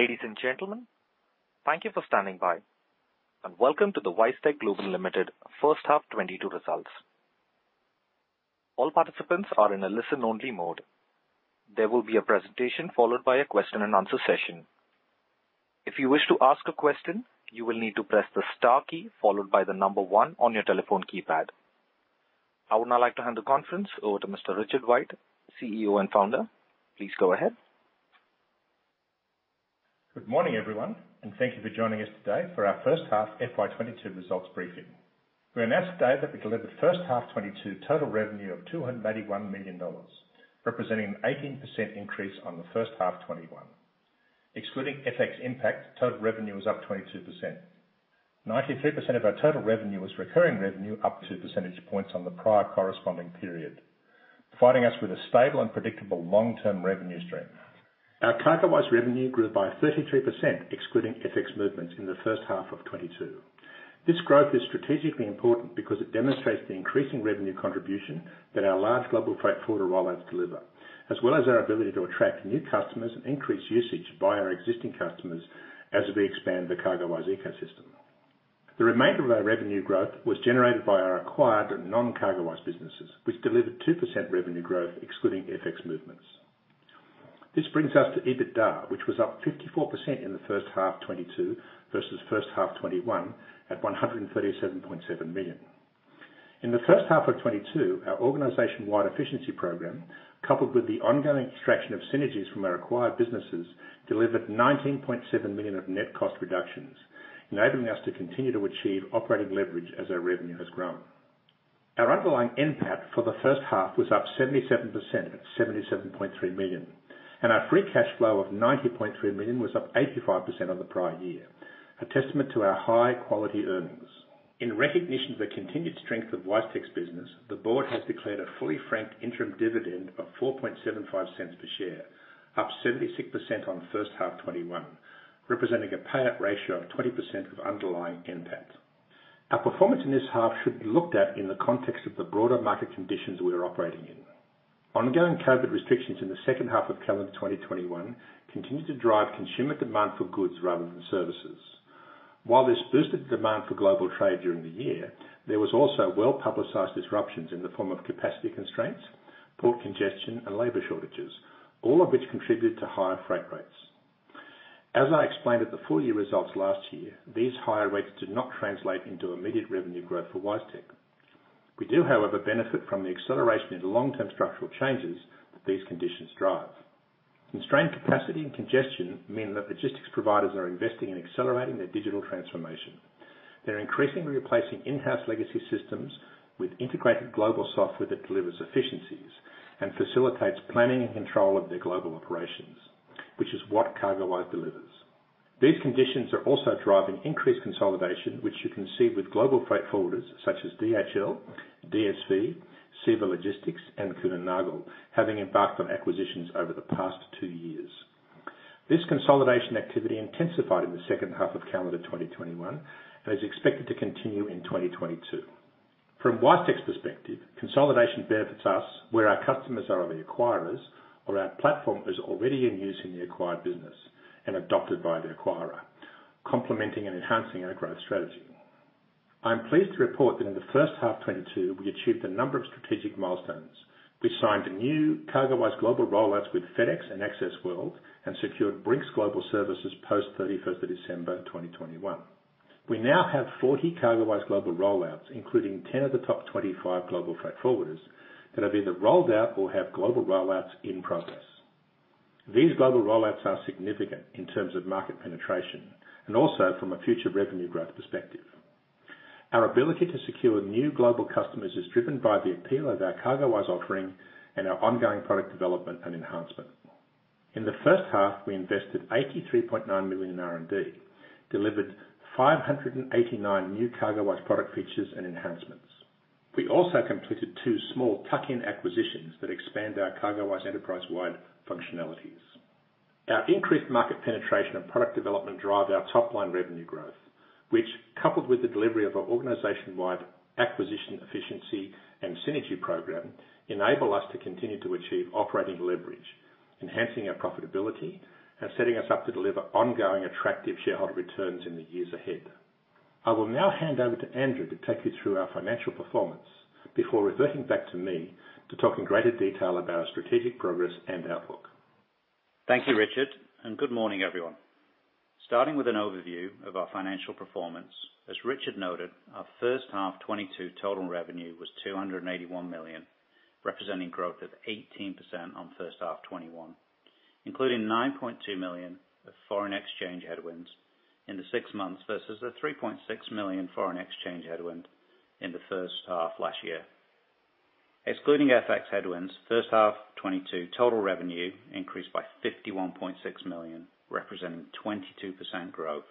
Ladies and gentlemen, thank you for standing by, and welcome to the WiseTech Global Limited first half 2022 results. All participants are in a listen-only mode. There will be a presentation followed by a question-and-answer session. If you wish to ask a question, you will need to press the star key followed by the number one on your telephone keypad. I would now like to hand the conference over to Mr. Richard White, CEO and Founder. Please go ahead. Good morning, everyone, and thank you for joining us today for our first half FY 2022 results briefing. We announce today that we delivered first half 2022 total revenue of 281 million dollars, representing an 18% increase on the first half 2021. Excluding FX impact, total revenue is up 22%. 93% of our total revenue is recurring revenue, up 2 percentage points on the prior corresponding period, providing us with a stable and predictable long-term revenue stream. Our CargoWise revenue grew by 33% excluding FX movements in the first half of 2022. This growth is strategically important because it demonstrates the increasing revenue contribution that our large global freight forwarder rollouts deliver, as well as our ability to attract new customers and increase usage by our existing customers as we expand the CargoWise ecosystem. The remainder of our revenue growth was generated by our acquired non-CargoWise businesses, which delivered 2% revenue growth excluding FX movements. This brings us to EBITDA, which was up 54% in the first half 2022 versus first half 2021 at 137.7 million. In the first half of 2022, our organization-wide efficiency program, coupled with the ongoing extraction of synergies from our acquired businesses, delivered 19.7 million of net cost reductions, enabling us to continue to achieve operating leverage as our revenue has grown. Our underlying NPAT for the first half was up 77% at 77.3 million. Our free cash flow of 90.3 million was up 85% on the prior year, a testament to our high quality earnings. In recognition of the continued strength of WiseTech's business, the board has declared a fully franked interim dividend of 0.0475 per share, up 76% on first half 2021, representing a payout ratio of 20% of underlying NPAT. Our performance in this half should be looked at in the context of the broader market conditions we are operating in. Ongoing COVID restrictions in the second half of calendar 2021 continue to drive consumer demand for goods rather than services. While this boosted demand for global trade during the year, there was also well-publicized disruptions in the form of capacity constraints, port congestion, and labor shortages, all of which contributed to higher freight rates. As I explained at the full year results last year, these higher rates did not translate into immediate revenue growth for WiseTech. We do, however, benefit from the acceleration in the long-term structural changes that these conditions drive. Constrained capacity and congestion mean that logistics providers are investing in accelerating their digital transformation. They're increasingly replacing in-house legacy systems with integrated global software that delivers efficiencies and facilitates planning and control of their global operations, which is what CargoWise delivers. These conditions are also driving increased consolidation, which you can see with global freight forwarders such as DHL, DSV, CEVA Logistics, and Kuehne+Nagel having embarked on acquisitions over the past two years. This consolidation activity intensified in the second half of calendar 2021 and is expected to continue in 2022. From WiseTech's perspective, consolidation benefits us where our customers are the acquirers or our platform is already in use in the acquired business and adopted by the acquirer, complementing and enhancing our growth strategy. I'm pleased to report that in the first half 2022, we achieved a number of strategic milestones. We signed a new CargoWise global rollouts with FedEx and Access World and secured Brink's Global Services post 31st December 2021. We now have 40 CargoWise global rollouts, including 10 of the top 25 global freight forwarders that have either rolled out or have global rollouts in progress. These global rollouts are significant in terms of market penetration and also from a future revenue growth perspective. Our ability to secure new global customers is driven by the appeal of our CargoWise offering and our ongoing product development and enhancement. In the first half, we invested 83.9 million in R&D, delivered 589 new CargoWise product features and enhancements. We also completed two small tuck-in acquisitions that expand our CargoWise enterprise-wide functionalities. Our increased market penetration and product development drive our top-line revenue growth, which, coupled with the delivery of our organization-wide acquisition efficiency and synergy program, enable us to continue to achieve operating leverage, enhancing our profitability and setting us up to deliver ongoing attractive shareholder returns in the years ahead. I will now hand over to Andrew to take you through our financial performance before reverting back to me to talk in greater detail about our strategic progress and outlook. Thank you, Richard, and good morning, everyone. Starting with an overview of our financial performance, as Richard noted, our first half 2022 total revenue was 281 million, representing growth of 18% on first half 2021, including 9.2 million of foreign exchange headwinds in the six months versus the 3.6 million foreign exchange headwind in the first half last year. Excluding FX headwinds, first half 2022 total revenue increased by 51.6 million, representing 22% growth.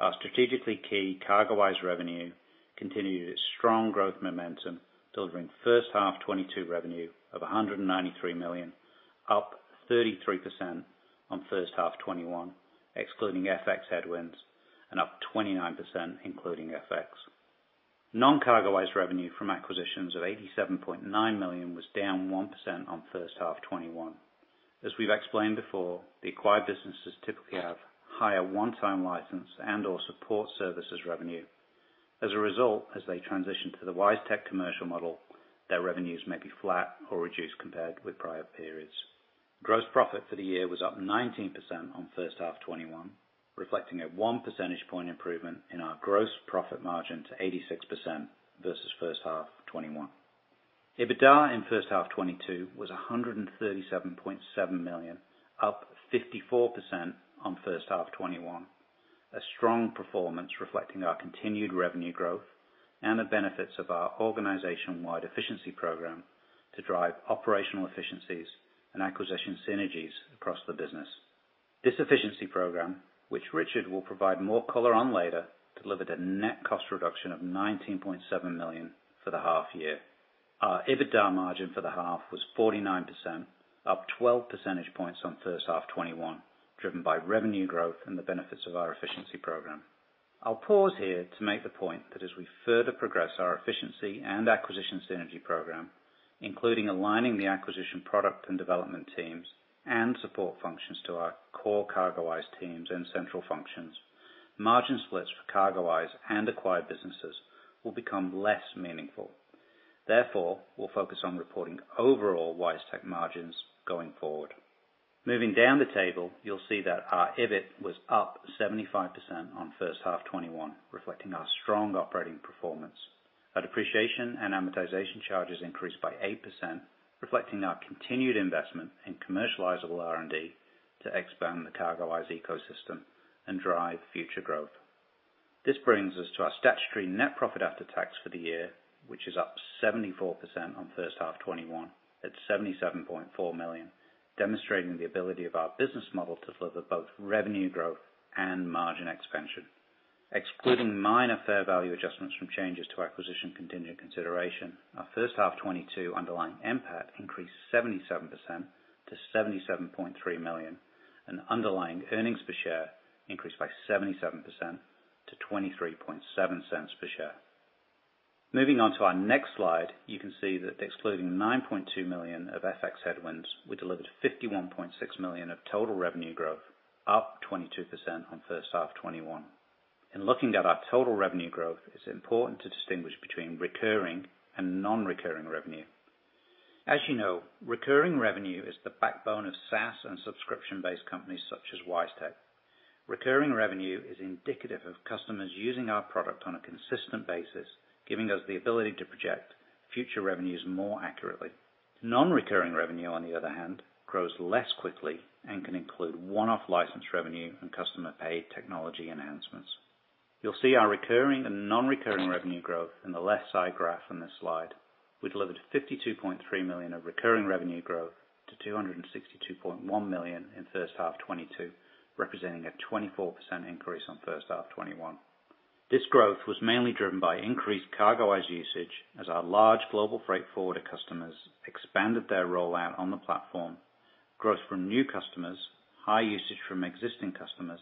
Our strategically key CargoWise revenue continued its strong growth momentum, delivering first half 2022 revenue of 193 million, up 33% on first half 2021, excluding FX headwinds, and up 29% including FX. Non-CargoWise revenue from acquisitions of 87.9 million was down 1% on first half 2021. As we've explained before, the acquired businesses typically have higher one-time license and or support services revenue. As a result, as they transition to the WiseTech commercial model, their revenues may be flat or reduced compared with prior periods. Gross profit for the year was up 19% on first half 2021, reflecting a 1 percentage point improvement in our gross profit margin to 86% versus first half 2021. EBITDA in first half 2022 was 137.7 million, up 54% on first half 2021. A strong performance reflecting our continued revenue growth and the benefits of our organization-wide efficiency program to drive operational efficiencies and acquisition synergies across the business. This efficiency program, which Richard will provide more color on later, delivered a net cost reduction of 19.7 million for the half year. Our EBITDA margin for the half was 49%, up 12 percentage points on first half 2021, driven by revenue growth and the benefits of our efficiency program. I'll pause here to make the point that as we further progress our efficiency and acquisition synergy program, including aligning the acquisition product and development teams and support functions to our core CargoWise teams and central functions, margin splits for CargoWise and acquired businesses will become less meaningful. Therefore, we'll focus on reporting overall WiseTech margins going forward. Moving down the table, you'll see that our EBIT was up 75% on first half 2021, reflecting our strong operating performance. Our depreciation and amortization charges increased by 8%, reflecting our continued investment in commercializable R&D to expand the CargoWise ecosystem and drive future growth. This brings us to our statutory net profit after tax for the year, which is up 74% on first half 2021 at 77.4 million, demonstrating the ability of our business model to deliver both revenue growth and margin expansion. Excluding minor fair value adjustments from changes to acquisition contingent consideration, our first half 2022 underlying NPAT increased 77% to 77.3 million, and underlying earnings per share increased by 77% to 0.237 per share. Moving on to our next slide, you can see that excluding 9.2 million of FX headwinds, we delivered 51.6 million of total revenue growth, up 22% on first half 2021. In looking at our total revenue growth, it's important to distinguish between recurring and non-recurring revenue. As you know, recurring revenue is the backbone of SaaS and subscription-based companies such as WiseTech. Recurring revenue is indicative of customers using our product on a consistent basis, giving us the ability to project future revenues more accurately. Non-recurring revenue, on the other hand, grows less quickly and can include one-off license revenue and customer paid technology enhancements. You'll see our recurring and non-recurring revenue growth in the left side graph on this slide. We delivered 52.3 million of recurring revenue growth to 262.1 million in first half 2022, representing a 24% increase on first half 2021. This growth was mainly driven by increased CargoWise usage as our large global freight forwarder customers expanded their rollout on the platform, growth from new customers, high usage from existing customers,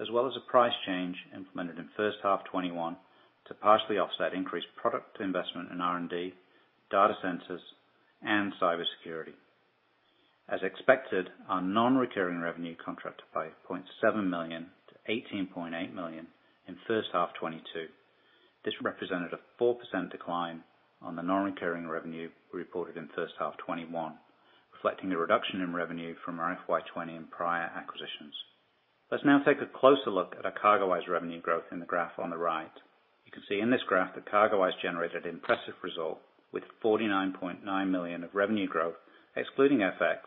as well as a price change implemented in first half 2021 to partially offset increased product investment in R&D, data centers, and cybersecurity. As expected, our non-recurring revenue contracted by 0.7 million to 18.8 million in first half 2022. This represented a 4% decline on the non-recurring revenue we reported in first half 2021, reflecting the reduction in revenue from our FY 2020 and prior acquisitions. Let's now take a closer look at our CargoWise revenue growth in the graph on the right. You can see in this graph that CargoWise generated an impressive result with 49.9 million of revenue growth, excluding FX,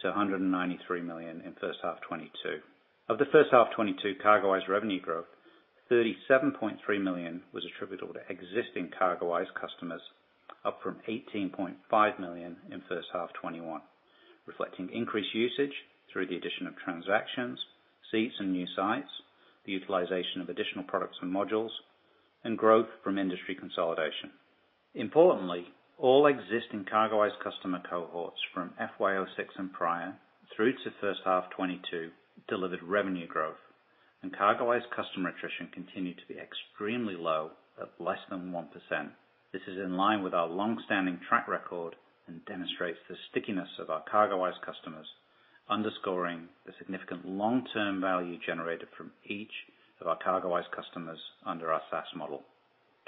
to 193 million in first half 2022. Of the first half 2022 CargoWise revenue growth, 37.3 million was attributable to existing CargoWise customers, up from 18.5 million in first half 2021, reflecting increased usage through the addition of transactions, seats in new sites, the utilization of additional products and modules, and growth from industry consolidation. Importantly, all existing CargoWise customer cohorts from FY 2006 and prior through to first half 2022 delivered revenue growth and CargoWise customer attrition continued to be extremely low of less than 1%. This is in line with our long-standing track record and demonstrates the stickiness of our CargoWise customers, underscoring the significant long-term value generated from each of our CargoWise customers under our SaaS model.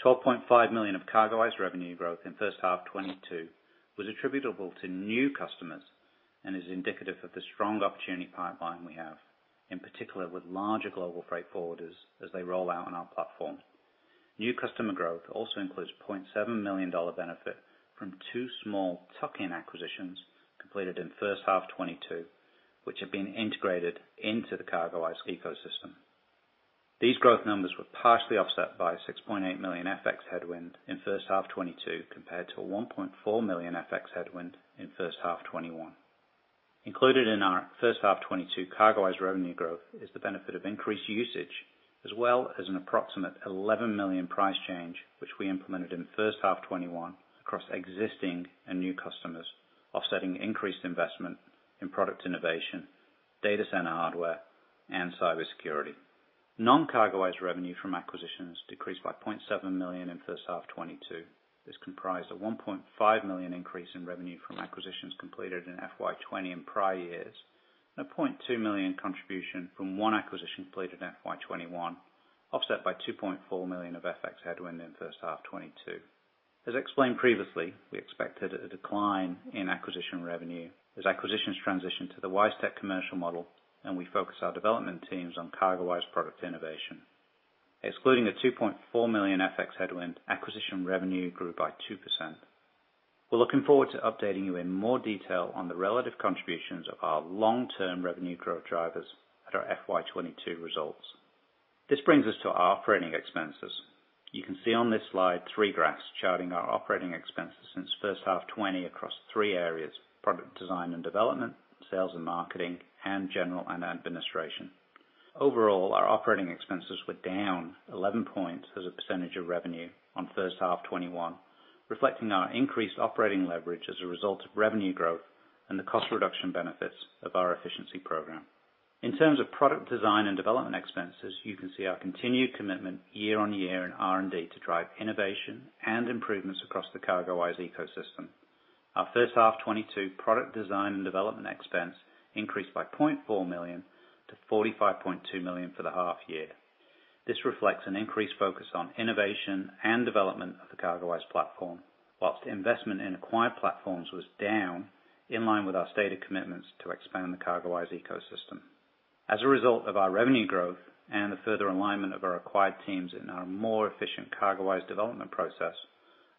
12.5 million of CargoWise revenue growth in first half 2022 was attributable to new customers and is indicative of the strong opportunity pipeline we have, in particular with larger global freight forwarders as they roll out on our platform. New customer growth also includes 0.7 million dollar benefit from two small tuck-in acquisitions completed in first half 2022, which have been integrated into the CargoWise ecosystem. These growth numbers were partially offset by 6.8 million FX headwind in first half 2022, compared to a 1.4 million FX headwind in first half 2021. Included in our first half 2022 CargoWise revenue growth is the benefit of increased usage as well as an approximate 11 million price change, which we implemented in first half 2021 across existing and new customers, offsetting increased investment in product innovation, data center hardware, and cybersecurity. Non-CargoWise revenue from acquisitions decreased by 0.7 million in first half 2022. This comprised a 1.5 million increase in revenue from acquisitions completed in FY 2020 and prior years, and a 0.2 million contribution from one acquisition completed in FY 2021, offset by 2.4 million of FX headwind in first half 2022. As explained previously, we expected a decline in acquisition revenue as acquisitions transition to the WiseTech commercial model, and we focus our development teams on CargoWise product innovation. Excluding the 2.4 million FX headwind, acquisition revenue grew by 2%. We're looking forward to updating you in more detail on the relative contributions of our long-term revenue growth drivers at our FY 2022 results. This brings us to our operating expenses. You can see on this slide three graphs charting our operating expenses since first half 2020 across three areas: product design and development, sales and marketing, and general and administrative. Overall, our operating expenses were down 11 points as a percentage of revenue on first half 2021, reflecting our increased operating leverage as a result of revenue growth and the cost reduction benefits of our efficiency program. In terms of product design and development expenses, you can see our continued commitment year-on-year in R&D to drive innovation and improvements across the CargoWise ecosystem. Our first half 2022 product design and development expense increased by 0.4 million to 45.2 million for the half year. This reflects an increased focus on innovation and development of the CargoWise platform, while investment in acquired platforms was down in line with our stated commitments to expand the CargoWise ecosystem. As a result of our revenue growth and the further alignment of our acquired teams in our more efficient CargoWise development process,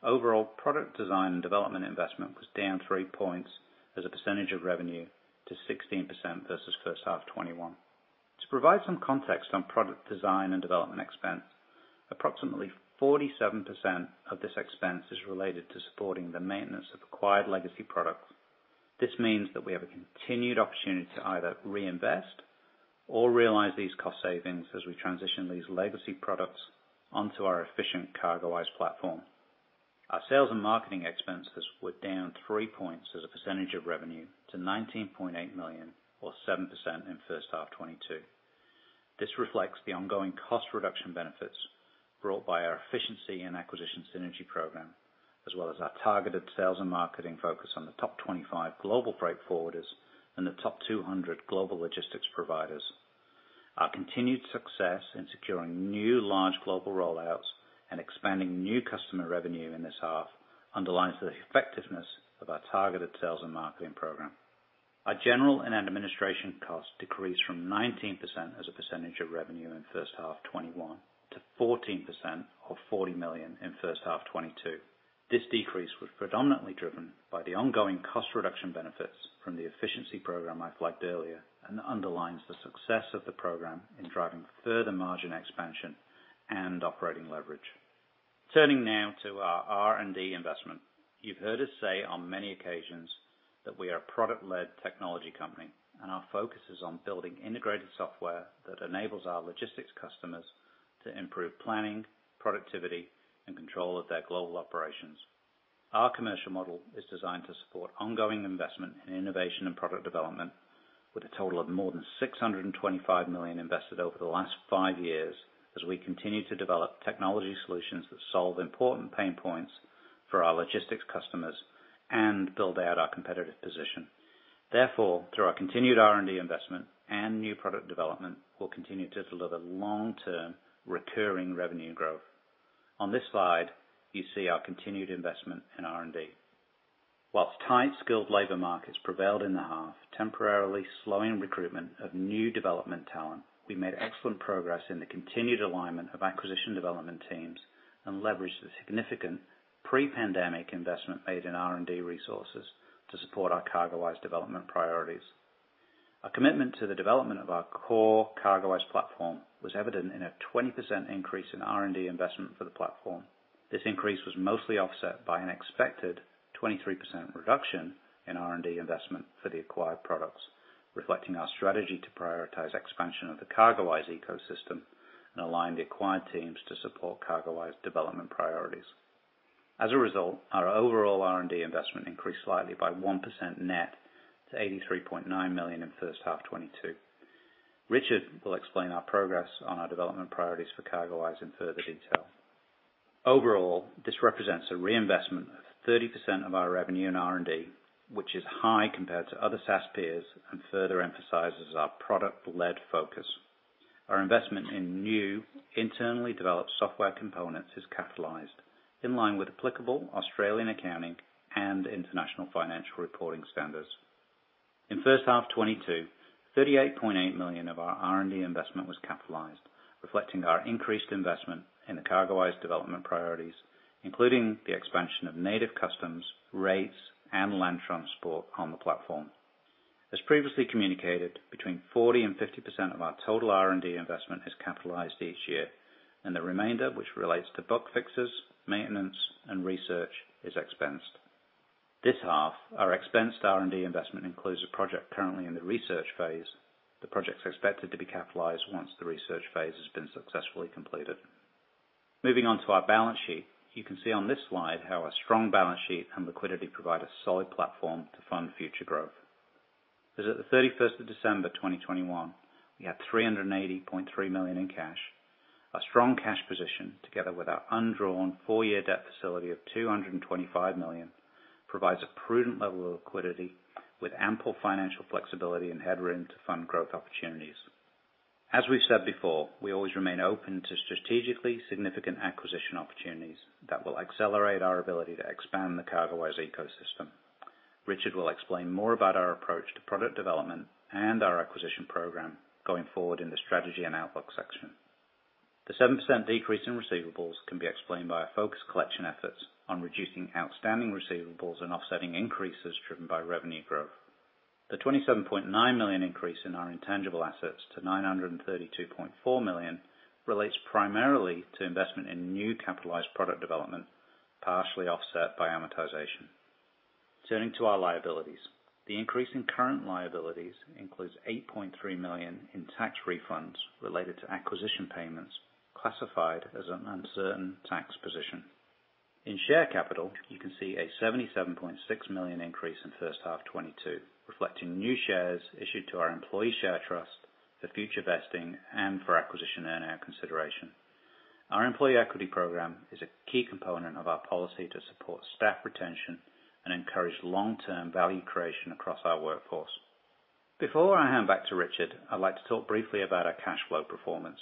overall product design and development investment was down 3 points as a percentage of revenue to 16% versus first half 2021. To provide some context on product design and development expense, approximately 47% of this expense is related to supporting the maintenance of acquired legacy products. This means that we have a continued opportunity to either reinvest or realize these cost savings as we transition these legacy products onto our efficient CargoWise platform. Our sales and marketing expenses were down 3 points as a percentage of revenue to 19.8 million or 7% in first half 2022. This reflects the ongoing cost reduction benefits brought by our efficiency and acquisition synergy program, as well as our targeted sales and marketing focus on the top 25 global freight forwarders and the top 200 global logistics providers. Our continued success in securing new large global rollouts and expanding new customer revenue in this half underlines the effectiveness of our targeted sales and marketing program. Our general and administration costs decreased from 19% as a percentage of revenue in first half 2021 to 14% or 40 million in first half 2022. This decrease was predominantly driven by the ongoing cost reduction benefits from the efficiency program I flagged earlier, and underlines the success of the program in driving further margin expansion and operating leverage. Turning now to our R&D investment. You've heard us say on many occasions that we are a product-led technology company, and our focus is on building integrated software that enables our logistics customers to improve planning, productivity, and control of their global operations. Our commercial model is designed to support ongoing investment in innovation and product development with a total of more than 625 million invested over the last five years as we continue to develop technology solutions that solve important pain points for our logistics customers and build out our competitive position. Therefore, through our continued R&D investment and new product development, we'll continue to deliver long-term recurring revenue growth. On this slide, you see our continued investment in R&D. While tight skilled labor markets prevailed in the half, temporarily slowing recruitment of new development talent, we made excellent progress in the continued alignment of acquisition development teams and leveraged the significant pre-pandemic investment made in R&D resources to support our CargoWise development priorities. Our commitment to the development of our core CargoWise platform was evident in a 20% increase in R&D investment for the platform. This increase was mostly offset by an expected 23% reduction in R&D investment for the acquired products, reflecting our strategy to prioritize expansion of the CargoWise ecosystem and align the acquired teams to support CargoWise development priorities. As a result, our overall R&D investment increased slightly by 1% net to 83.9 million in first half 2022. Richard will explain our progress on our development priorities for CargoWise in further detail. Overall, this represents a reinvestment of 30% of our revenue in R&D, which is high compared to other SaaS peers and further emphasizes our product-led focus. Our investment in new internally developed software components is capitalized in line with applicable Australian accounting and international financial reporting standards. In first half 2022, 38.8 million of our R&D investment was capitalized, reflecting our increased investment in the CargoWise development priorities, including the expansion of native customs, rates, and land transport on the platform. As previously communicated, between 40% and 50% of our total R&D investment is capitalized each year, and the remainder, which relates to bug fixes, maintenance, and research, is expensed. This half, our expensed R&D investment includes a project currently in the research phase. The project's expected to be capitalized once the research phase has been successfully completed. Moving on to our balance sheet. You can see on this slide how our strong balance sheet and liquidity provide a solid platform to fund future growth. As at 31 December 2021, we had 380.3 million in cash. A strong cash position together with our undrawn four-year debt facility of 225 million provides a prudent level of liquidity with ample financial flexibility and headroom to fund growth opportunities. We said before we always remain open to strategically significant acquisition opportunities that will accelerate our ability to expand the CargoWise ecosystem. Richard will explain more about our approach to product development and our acquisition program going forward in the strategy and outlook section. The 7% decrease in receivables can be explained by our focused collection efforts on reducing outstanding receivables and offsetting increases driven by revenue growth. The 27.9 million increase in our intangible assets to 932.4 million relates primarily to investment in new capitalized product development, partially offset by amortization. Turning to our liabilities. The increase in current liabilities includes 8.3 million in tax refunds related to acquisition payments classified as an uncertain tax position. In share capital, you can see a 77.6 million increase in first half 2022, reflecting new shares issued to our employee share trust for future vesting and for acquisition earn-out consideration. Our employee equity program is a key component of our policy to support staff retention and encourage long-term value creation across our workforce. Before I hand back to Richard, I'd like to talk briefly about our cash flow performance.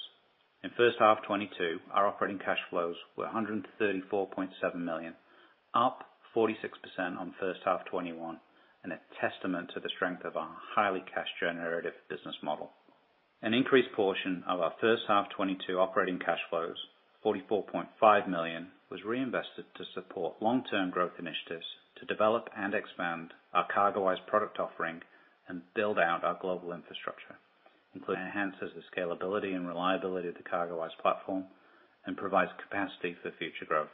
In first half 2022, our operating cash flows were 134.7 million, up 46% on first half 2021, and a testament to the strength of our highly cash generative business model. An increased portion of our first half 2022 operating cash flows, 44.5 million, was reinvested to support long-term growth initiatives to develop and expand our CargoWise product offering and build out our global infrastructure, including enhancements to the scalability and reliability of the CargoWise platform and provides capacity for future growth.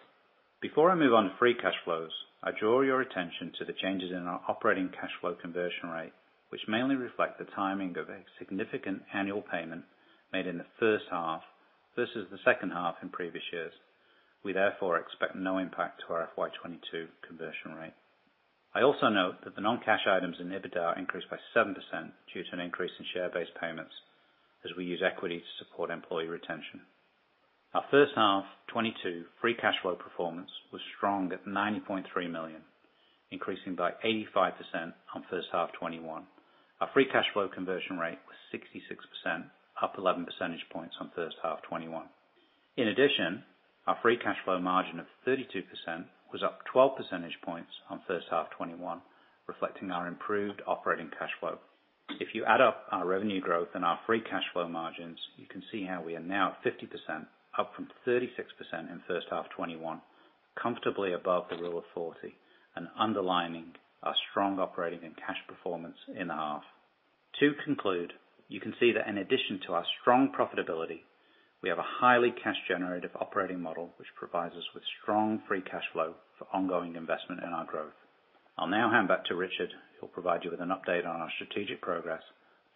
Before I move on to free cash flows, I draw your attention to the changes in our operating cash flow conversion rate, which mainly reflect the timing of a significant annual payment made in the first half versus the second half in previous years. We therefore expect no impact to our FY 2022 conversion rate. I also note that the non-cash items in EBITDA increased by 7% due to an increase in share-based payments as we use equity to support employee retention. Our first half 2022 free cash flow performance was strong at 90.3 million, increasing by 85% on first half 2021. Our free cash flow conversion rate was 66%, up 11 percentage points on first half 2021. In addition, our free cash flow margin of 32% was up 12 percentage points on first half 2021, reflecting our improved operating cash flow. If you add up our revenue growth and our free cash flow margins, you can see how we are now at 50%, up from 36% in first half 2021, comfortably above the Rule of 40, and underlining our strong operating and cash performance in the half. To conclude, you can see that in addition to our strong profitability, we have a highly cash generative operating model, which provides us with strong free cash flow for ongoing investment in our growth. I'll now hand back to Richard, who'll provide you with an update on our strategic progress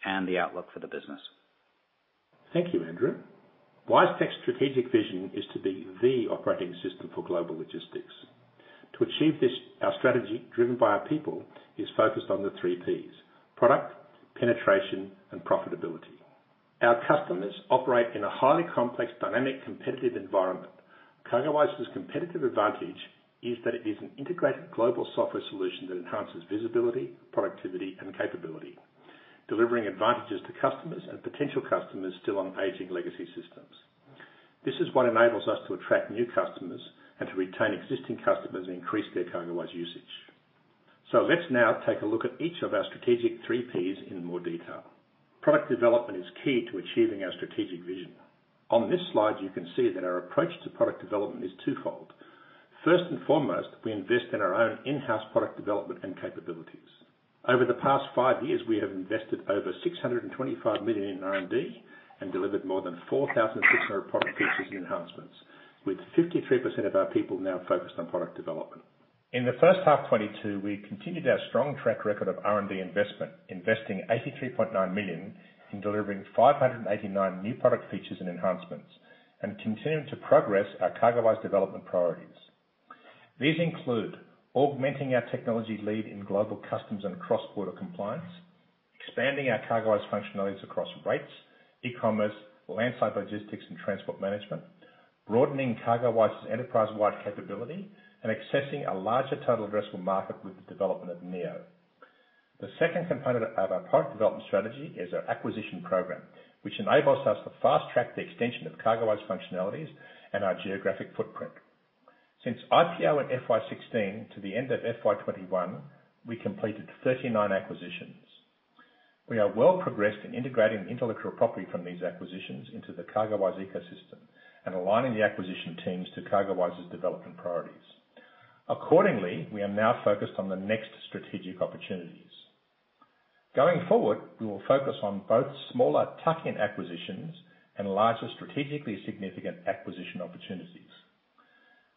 and the outlook for the business. Thank you, Andrew. WiseTech's strategic vision is to be the operating system for global logistics. To achieve this, our strategy, driven by our people, is focused on the three Ps: product, penetration, and profitability. Our customers operate in a highly complex, dynamic, competitive environment. CargoWise's competitive advantage is that it is an integrated global software solution that enhances visibility, productivity, and capability, delivering advantages to customers and potential customers still on aging legacy systems. This is what enables us to attract new customers and to retain existing customers and increase their CargoWise usage. Let's now take a look at each of our strategic three Ps in more detail. Product development is key to achieving our strategic vision. On this slide, you can see that our approach to product development is twofold. First and foremost, we invest in our own in-house product development and capabilities. Over the past five years, we have invested over 625 million in R&D and delivered more than 4,600 product features and enhancements, with 53% of our people now focused on product development. In the first half 2022, we continued our strong track record of R&D investment, investing 83.9 million in delivering 589 new product features and enhancements, and continuing to progress our CargoWise development priorities. These include augmenting our technology lead in global customs and cross-border compliance, expanding our CargoWise functionalities across rates, e-commerce, landside logistics and transport management, broadening CargoWise's enterprise-wide capability, and accessing a larger total addressable market with the development of Neo. The second component of our product development strategy is our acquisition program, which enables us to fast-track the extension of CargoWise functionalities and our geographic footprint. Since IPO in FY 2016 to the end of FY 2021, we completed 39 acquisitions. We are well progressed in integrating intellectual property from these acquisitions into the CargoWise ecosystem and aligning the acquisition teams to CargoWise's development priorities. Accordingly, we are now focused on the next strategic opportunities. Going forward, we will focus on both smaller tuck-in acquisitions and larger strategically significant acquisition opportunities.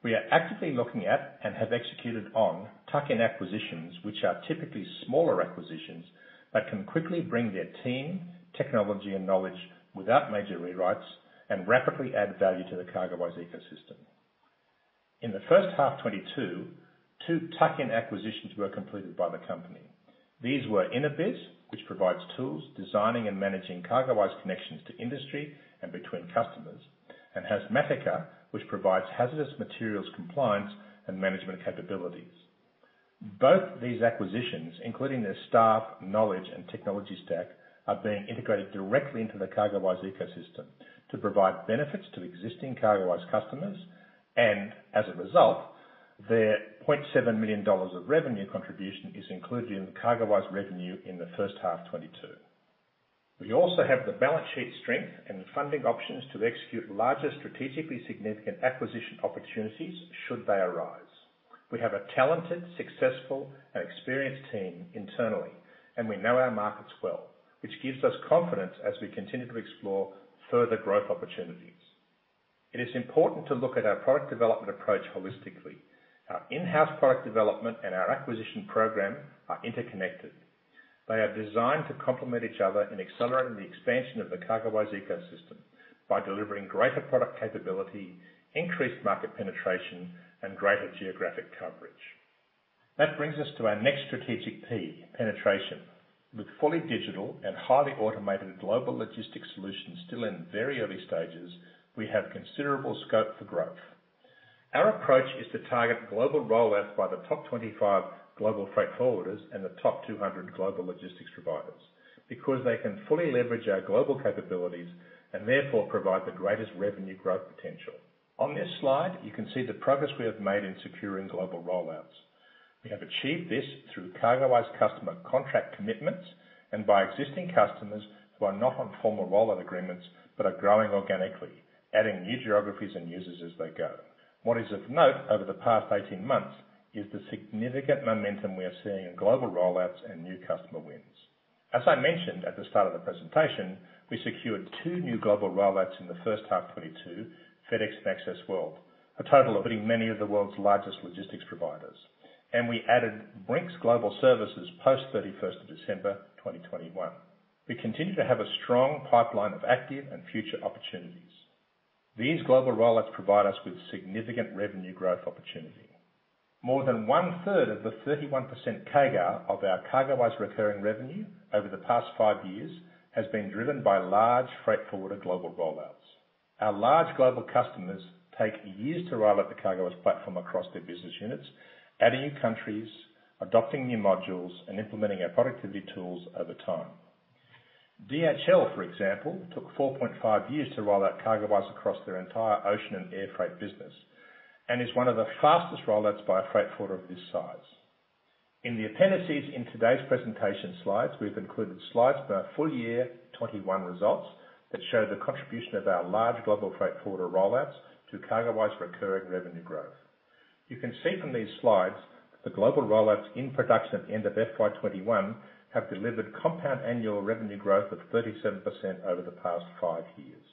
We are actively looking at and have executed on tuck-in acquisitions, which are typically smaller acquisitions that can quickly bring their team, technology and knowledge without major rewrites and rapidly add value to the CargoWise ecosystem. In the first half 2022, 2 tuck-in acquisitions were completed by the company. These were Innoviz, which provides tools, designing and managing CargoWise connections to industry and between customers. Hazmatica, which provides hazardous materials compliance and management capabilities. Both these acquisitions, including their staff, knowledge and technology stack, are being integrated directly into the CargoWise ecosystem to provide benefits to existing CargoWise customers and as a result, their 0.7 million dollars of revenue contribution is included in the CargoWise revenue in the first half 2022. We also have the balance sheet strength and the funding options to execute larger, strategically significant acquisition opportunities should they arise. We have a talented, successful and experienced team internally, and we know our markets well, which gives us confidence as we continue to explore further growth opportunities. It is important to look at our product development approach holistically. Our in-house product development and our acquisition program are interconnected. They are designed to complement each other in accelerating the expansion of the CargoWise ecosystem by delivering greater product capability, increased market penetration and greater geographic coverage. That brings us to our next strategic P, penetration. With fully digital and highly automated global logistics solutions still in very early stages, we have considerable scope for growth. Our approach is to target global rollout by the top 25 global freight forwarders and the top 200 global logistics providers, because they can fully leverage our global capabilities and therefore provide the greatest revenue growth potential. On this slide, you can see the progress we have made in securing global rollouts. We have achieved this through CargoWise customer contract commitments and by existing customers who are not on formal rollout agreements, but are growing organically, adding new geographies and users as they go. What is of note over the past 18 months is the significant momentum we are seeing in global rollouts and new customer wins. As I mentioned at the start of the presentation, we secured two new global rollouts in the first half 2022, FedEx and Access World, a total of hitting many of the world's largest logistics providers. We added Brink's Global Services post-31st of December 2021. We continue to have a strong pipeline of active and future opportunities. These global rollouts provide us with significant revenue growth opportunity. More than one-third of the 31% CAGR of our CargoWise recurring revenue over the past five years has been driven by large freight forwarder global rollouts. Our large global customers take years to roll out the CargoWise platform across their business units, adding new countries, adopting new modules, and implementing our productivity tools over time. DHL, for example, took 4.5 years to roll out CargoWise across their entire ocean and air freight business and is one of the fastest rollouts by a freight forwarder of this size. In the appendices in today's presentation slides, we've included slides for our full year 2021 results that show the contribution of our large global freight forwarder rollouts to CargoWise recurring revenue growth. You can see from these slides, the global rollouts in production at the end of FY 2021 have delivered compound annual revenue growth of 37% over the past five years.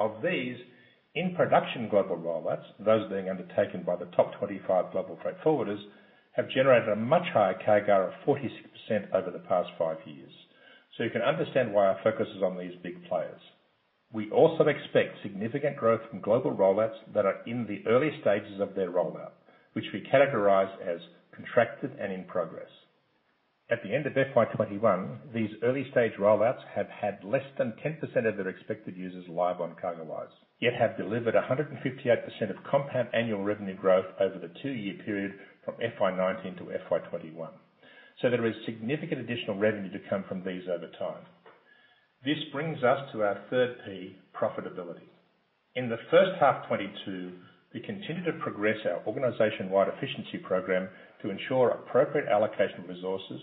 Of these in-production global rollouts, those being undertaken by the top 25 global freight forwarders have generated a much higher CAGR of 46% over the past five years. You can understand why our focus is on these big players. We also expect significant growth from global rollouts that are in the early stages of their rollout, which we characterize as contracted and in progress. At the end of FY 2021, these early-stage rollouts have had less than 10% of their expected users live on CargoWise, yet have delivered 158% CAGR over the two-year period from FY 2019-FY 2021. There is significant additional revenue to come from these over time. This brings us to our third P, profitability. In the first half 2022, we continued to progress our organization-wide efficiency program to ensure appropriate allocation of resources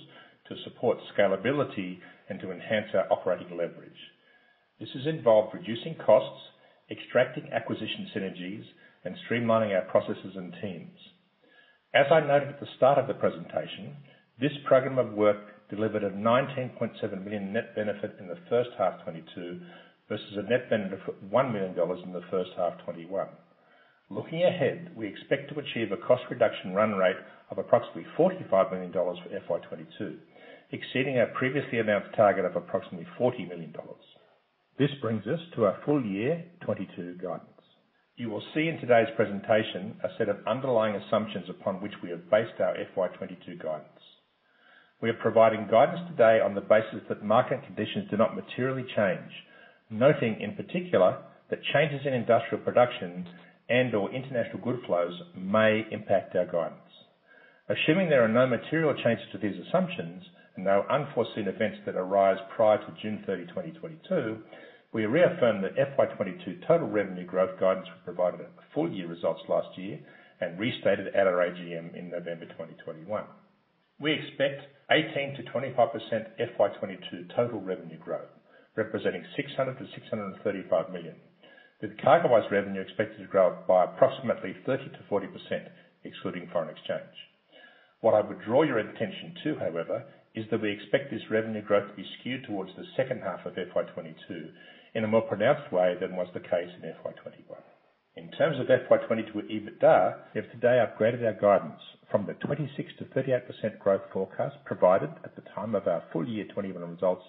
to support scalability and to enhance our operating leverage. This has involved reducing costs, extracting acquisition synergies, and streamlining our processes and teams. As I noted at the start of the presentation, this program of work delivered 19.7 million net benefit in the first half 2022 versus a net benefit of AUD 1 million in the first half 2021. Looking ahead, we expect to achieve a cost reduction run rate of approximately 45 million dollars for FY 2022, exceeding our previously announced target of approximately 40 million dollars. This brings us to our full year 2022 guidance. You will see in today's presentation a set of underlying assumptions upon which we have based our FY 2022 guidance. We are providing guidance today on the basis that market conditions do not materially change, noting in particular, that changes in industrial productions and/or international good flows may impact our guidance. Assuming there are no material changes to these assumptions and no unforeseen events that arise prior to June 30, 2022, we reaffirm that FY 2022 total revenue growth guidance we provided at full year results last year and restated at our AGM in November 2021. We expect 18%-25% FY 2022 total revenue growth, representing 600 million-635 million, with CargoWise revenue expected to grow by approximately 30%-40% excluding foreign exchange. What I would draw your attention to, however, is that we expect this revenue growth to be skewed towards the second half of FY 2022 in a more pronounced way than was the case in FY 2021. In terms of FY 2022 EBITDA, we have today upgraded our guidance from the 26%-38% growth forecast provided at the time of our full year 2021 results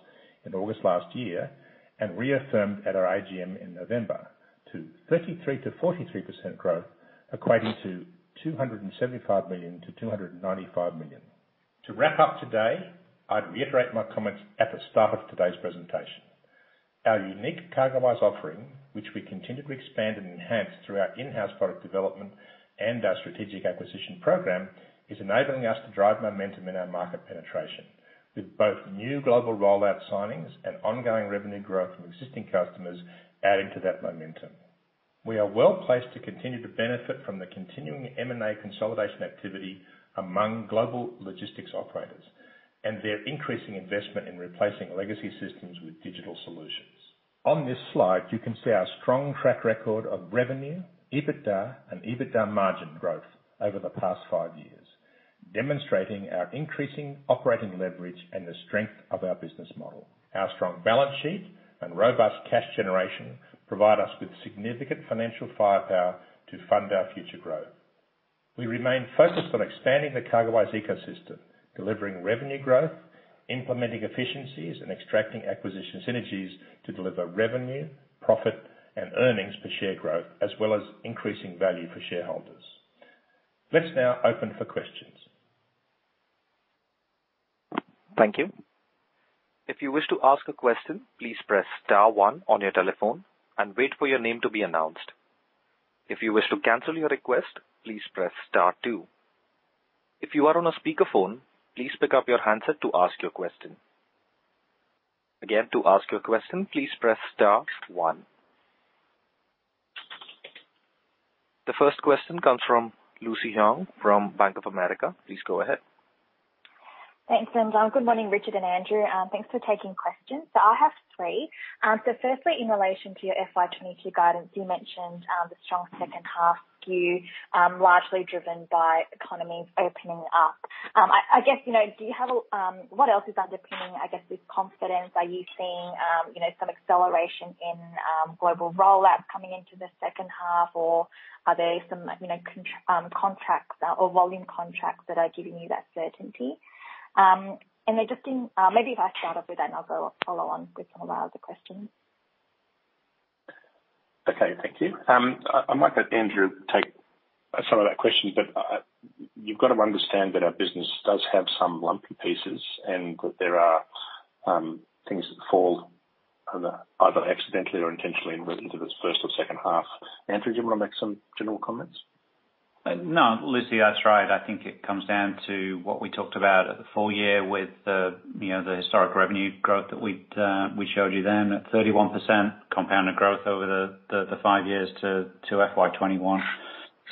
in August last year, and reaffirmed at our AGM in November to 33%-43% growth equating to 275 million-295 million. To wrap up today, I'd reiterate my comments at the start of today's presentation. Our unique CargoWise offering, which we continue to expand and enhance through our in-house product development and our strategic acquisition program, is enabling us to drive momentum in our market penetration with both new global rollout signings and ongoing revenue growth from existing customers adding to that momentum. We are well-placed to continue to benefit from the continuing M&A consolidation activity among global logistics operators and their increasing investment in replacing legacy systems with digital solutions. On this slide, you can see our strong track record of revenue, EBITDA, and EBITDA margin growth over the past five years, demonstrating our increasing operating leverage and the strength of our business model. Our strong balance sheet and robust cash generation provide us with significant financial firepower to fund our future growth. We remain focused on expanding the CargoWise ecosystem, delivering revenue growth, implementing efficiencies, and extracting acquisition synergies to deliver revenue, profit and earnings per share growth, as well as increasing value for shareholders. Let's now open for questions. Thank you. If you wish to ask a question, please press star one on your telephone and wait for your name to be announced. If you wish to cancel your request, please press star two. If you are on a speakerphone, please pick up your handset to ask your question. Again, to ask your question, please press star one. The first question comes from Lucy Huang from Bank of America. Please go ahead. Thanks, Andrew. Good morning, Richard and Andrew. Thanks for taking questions. I have three. Firstly, in relation to your FY 2022 guidance, you mentioned the strong second half skew, largely driven by economies opening up. I guess, you know, what else is underpinning that confidence? Are you seeing, you know, some acceleration in global roll-outs coming into the second half, or are there some, you know, contracts or volume contracts that are giving you that certainty? Then just, maybe if I start off with that and I'll follow on with some of our other questions. Okay. Thank you. I might let Andrew take some of that question, but you've got to understand that our business does have some lumpy pieces and that there are things that fall either accidentally or intentionally into this first or second half. Andrew, do you wanna make some general comments? No, Lucy, that's right. I think it comes down to what we talked about at the full year with you know the historic revenue growth that we showed you then at 31% compounded growth over the five years to FY 2021.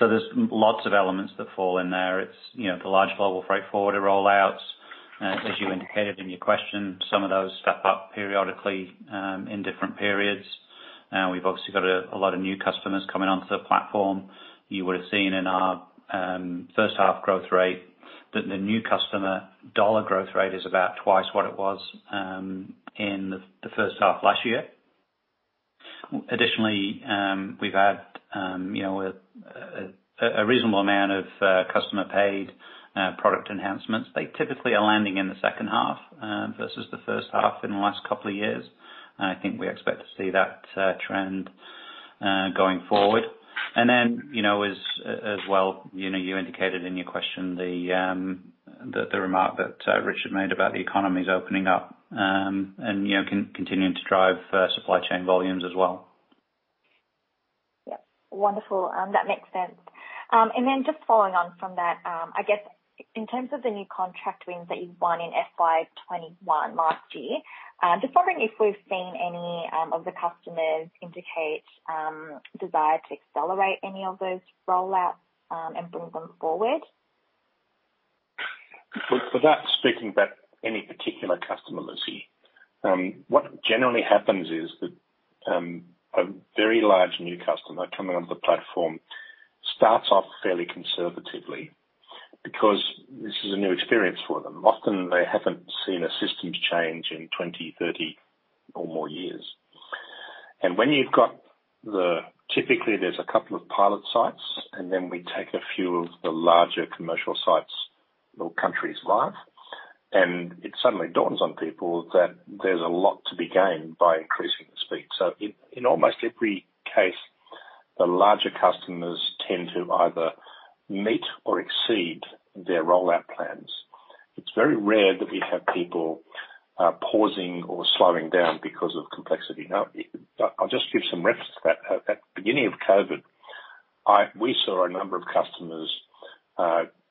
There's lots of elements that fall in there. It's you know the large global freight forwarder rollouts. As you indicated in your question, some of those step up periodically in different periods. We've obviously got a lot of new customers coming onto the platform. You would've seen in our first half growth rate that the new customer dollar growth rate is about twice what it was in the first half last year. Additionally, we've had you know a reasonable amount of customer paid product enhancements. They typically are landing in the second half versus the first half in the last couple of years. I think we expect to see that trend going forward. Then, you know, as well, you know, you indicated in your question the remark that Richard made about the economies opening up, and, you know, continuing to drive supply chain volumes as well. Yep. Wonderful. That makes sense. Just following on from that, I guess in terms of the new contract wins that you've won in FY 2021 last year, just wondering if we've seen any of the customers indicate desire to accelerate any of those rollouts, and bring them forward? Without speaking about any particular customer, Lucy, what generally happens is that a very large new customer coming onto the platform starts off fairly conservatively because this is a new experience for them. Often, they haven't seen a systems change in 20, 30 or more years. Typically, there's a couple of pilot sites, and then we take a few of the larger commercial sites or countries live, and it suddenly dawns on people that there's a lot to be gained by increasing the speed. In almost every case, the larger customers tend to either meet or exceed their rollout plans. It's very rare that we have people pausing or slowing down because of complexity. Now, I'll just give some reference to that. At beginning of COVID, we saw a number of customers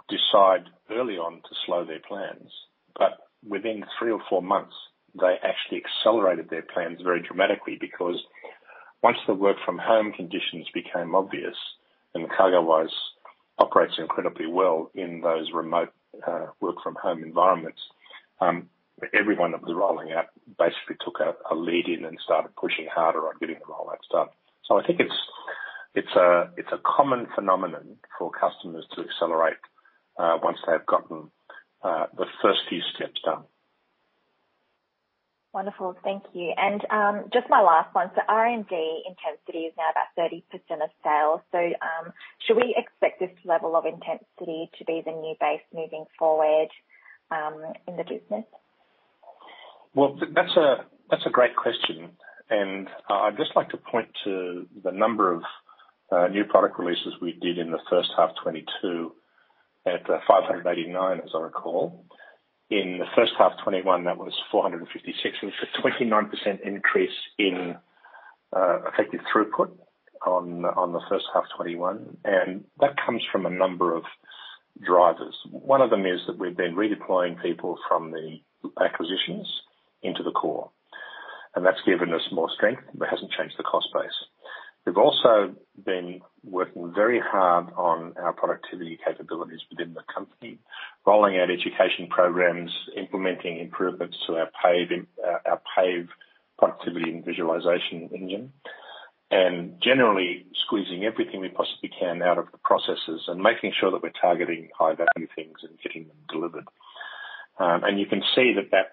decide early on to slow their plans. Within three or four months, they actually accelerated their plans very dramatically because once the work from home conditions became obvious, and CargoWise operates incredibly well in those remote work from home environments, everyone that was rolling out basically took a lead in and started pushing harder on getting the rollouts done. I think it's a common phenomenon for customers to accelerate once they've gotten the first few steps done. Wonderful. Thank you. Just my last one. R&D intensity is now about 30% of sales. Should we expect this level of intensity to be the new base moving forward, in the business? Well, that's a great question. I'd just like to point to the number of new product releases we did in the first half 2022 at 589, as I recall. In the first half 2021, that was 456. It's a 29% increase in effective throughput on the first half 2021. That comes from a number of drivers. One of them is that we've been redeploying people from the acquisitions into the core. That's given us more strength, but hasn't changed the cost base. We've also been working very hard on our productivity capabilities within the company, rolling out education programs, implementing improvements to our PAVE productivity and visualization engine. Generally squeezing everything we possibly can out of the processes and making sure that we're targeting high-value things and getting them delivered. You can see that's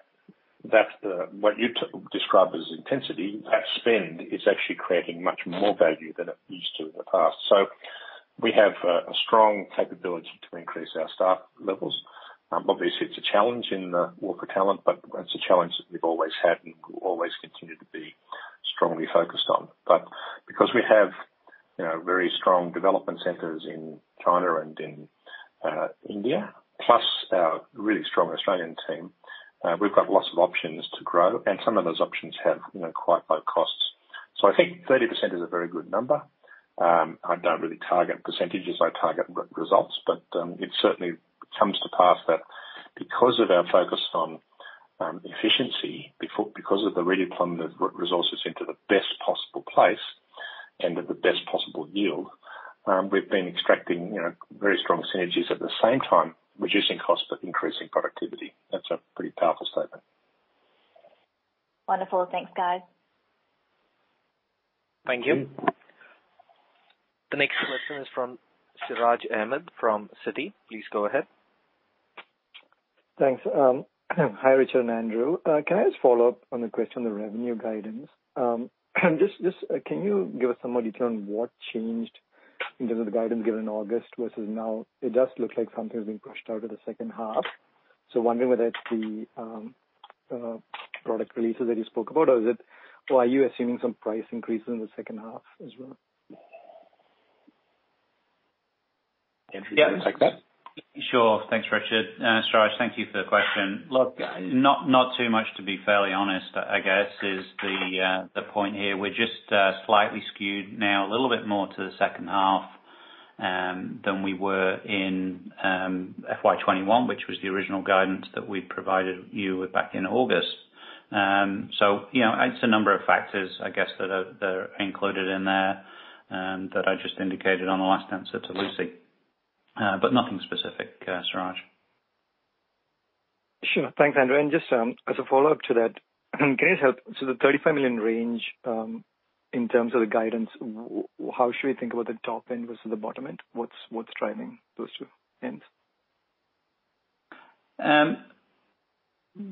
what you described as intensity; that spend is actually creating much more value than it used to in the past. We have a strong capability to increase our staff levels. Obviously it's a challenge in the war for talent, but it's a challenge that we've always had and will always continue to be strongly focused on. Because we have, you know, very strong development centers in China and in India, plus our really strong Australian team, we've got lots of options to grow and some of those options have, you know, quite low costs. I think 30% is a very good number. I don't really target percentages, I target results. It certainly comes to pass that because of our focus on efficiency, because of the redeployment of resources into the best possible place and at the best possible yield, we've been extracting, you know, very strong synergies, at the same time reducing costs but increasing productivity. That's a pretty powerful statement. Wonderful. Thanks, guys. Thank you. The next question is from Siraj Ahmed from Citi. Please go ahead. Thanks. Hi, Richard and Andrew. Can I just follow up on the question on the revenue guidance? Can you give us some more detail on what changed in terms of the guidance given in August versus now? It does look like something's been pushed out to the second half. I'm wondering whether it's the product releases that you spoke about or are you assuming some price increases in the second half as well? Andrew, would you like that? Sure. Thanks, Richard. Siraj, thank you for the question. Look, not too much, to be fairly honest, I guess, is the point here. We're just slightly skewed now a little bit more to the second half than we were in FY 2021, which was the original guidance that we provided you with back in August. You know, it's a number of factors, I guess, that are included in there that I just indicated on the last answer to Lucy. But nothing specific, Siraj. Sure. Thanks, Andrew. Just as a follow-up to that, can you help? The 35 million range, in terms of the guidance, how should we think about the top end versus the bottom end? What's driving those two ends?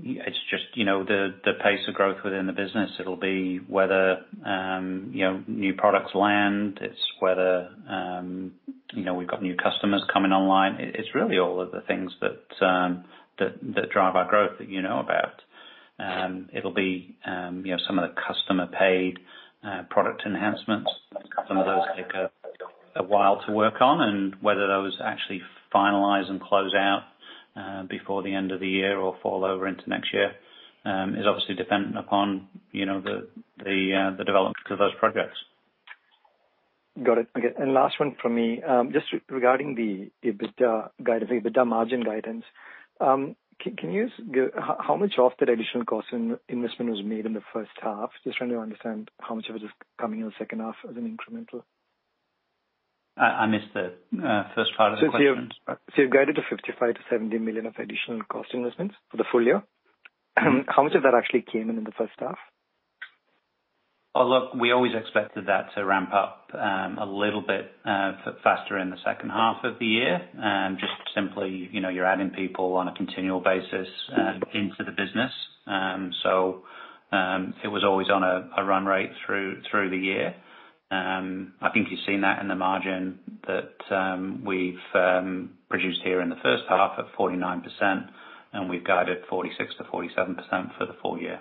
It's just, you know, the pace of growth within the business. It'll be whether, you know, new products land. It's whether, you know, we've got new customers coming online. It's really all of the things that drive our growth that you know about. It'll be, you know, some of the customer paid product enhancements. Some of those take a while to work on and whether those actually finalize and close out before the end of the year or fall over into next year is obviously dependent upon, you know, the development of those products. Got it. Okay. Last one from me. Just regarding the EBITDA guidance, the EBITDA margin guidance, can you give how much of that additional cost investment was made in the first half? Just trying to understand how much of it is coming in the second half as an incremental. I missed the first part of the question. You've guided the 55 million-70 million of additional cost investments for the full year. How much of that actually came in the first half? Oh, look, we always expected that to ramp up a little bit faster in the second half of the year. Just simply, you know, you're adding people on a continual basis into the business. It was always on a run rate through the year. I think you've seen that in the margin that we've produced here in the first half at 49%, and we've guided 46%-47% for the full year.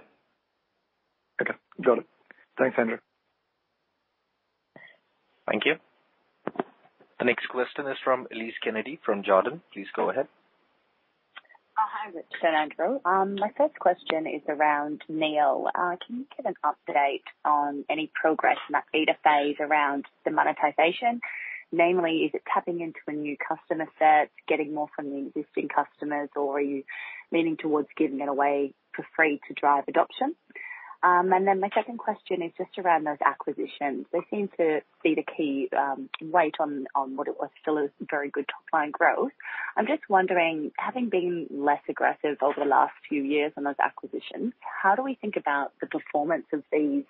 Okay. Got it. Thanks, Andrew. Thank you. The next question is from Elise Kennedy from Jarden. Please go ahead. Oh, hi, Richard and Andrew. My first question is around Neo. Can you give an update on any progress in that beta phase around the monetization? Namely, is it tapping into a new customer set, getting more from the existing customers, or are you leaning towards giving it away for free to drive adoption? And then my second question is just around those acquisitions. They seem to be the key weight on what it was still a very good top line growth. I'm just wondering, having been less aggressive over the last few years on those acquisitions, how do we think about the performance of these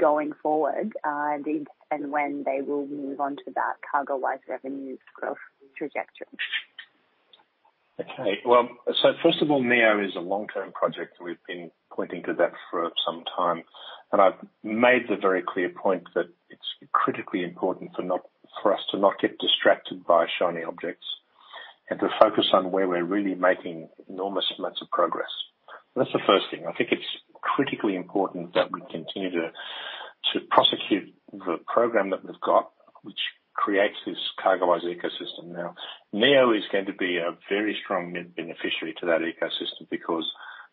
going forward, and when they will move on to that CargoWise revenue growth trajectory? Okay. Well, first of all, Neo is a long-term project. We've been pointing to that for some time. I've made the very clear point that it's critically important for us to not get distracted by shiny objects and to focus on where we're really making enormous amounts of progress. That's the first thing. I think it's critically important that we continue to prosecute the program that we've got, which creates this CargoWise ecosystem. Now, Neo is going to be a very strong beneficiary to that ecosystem because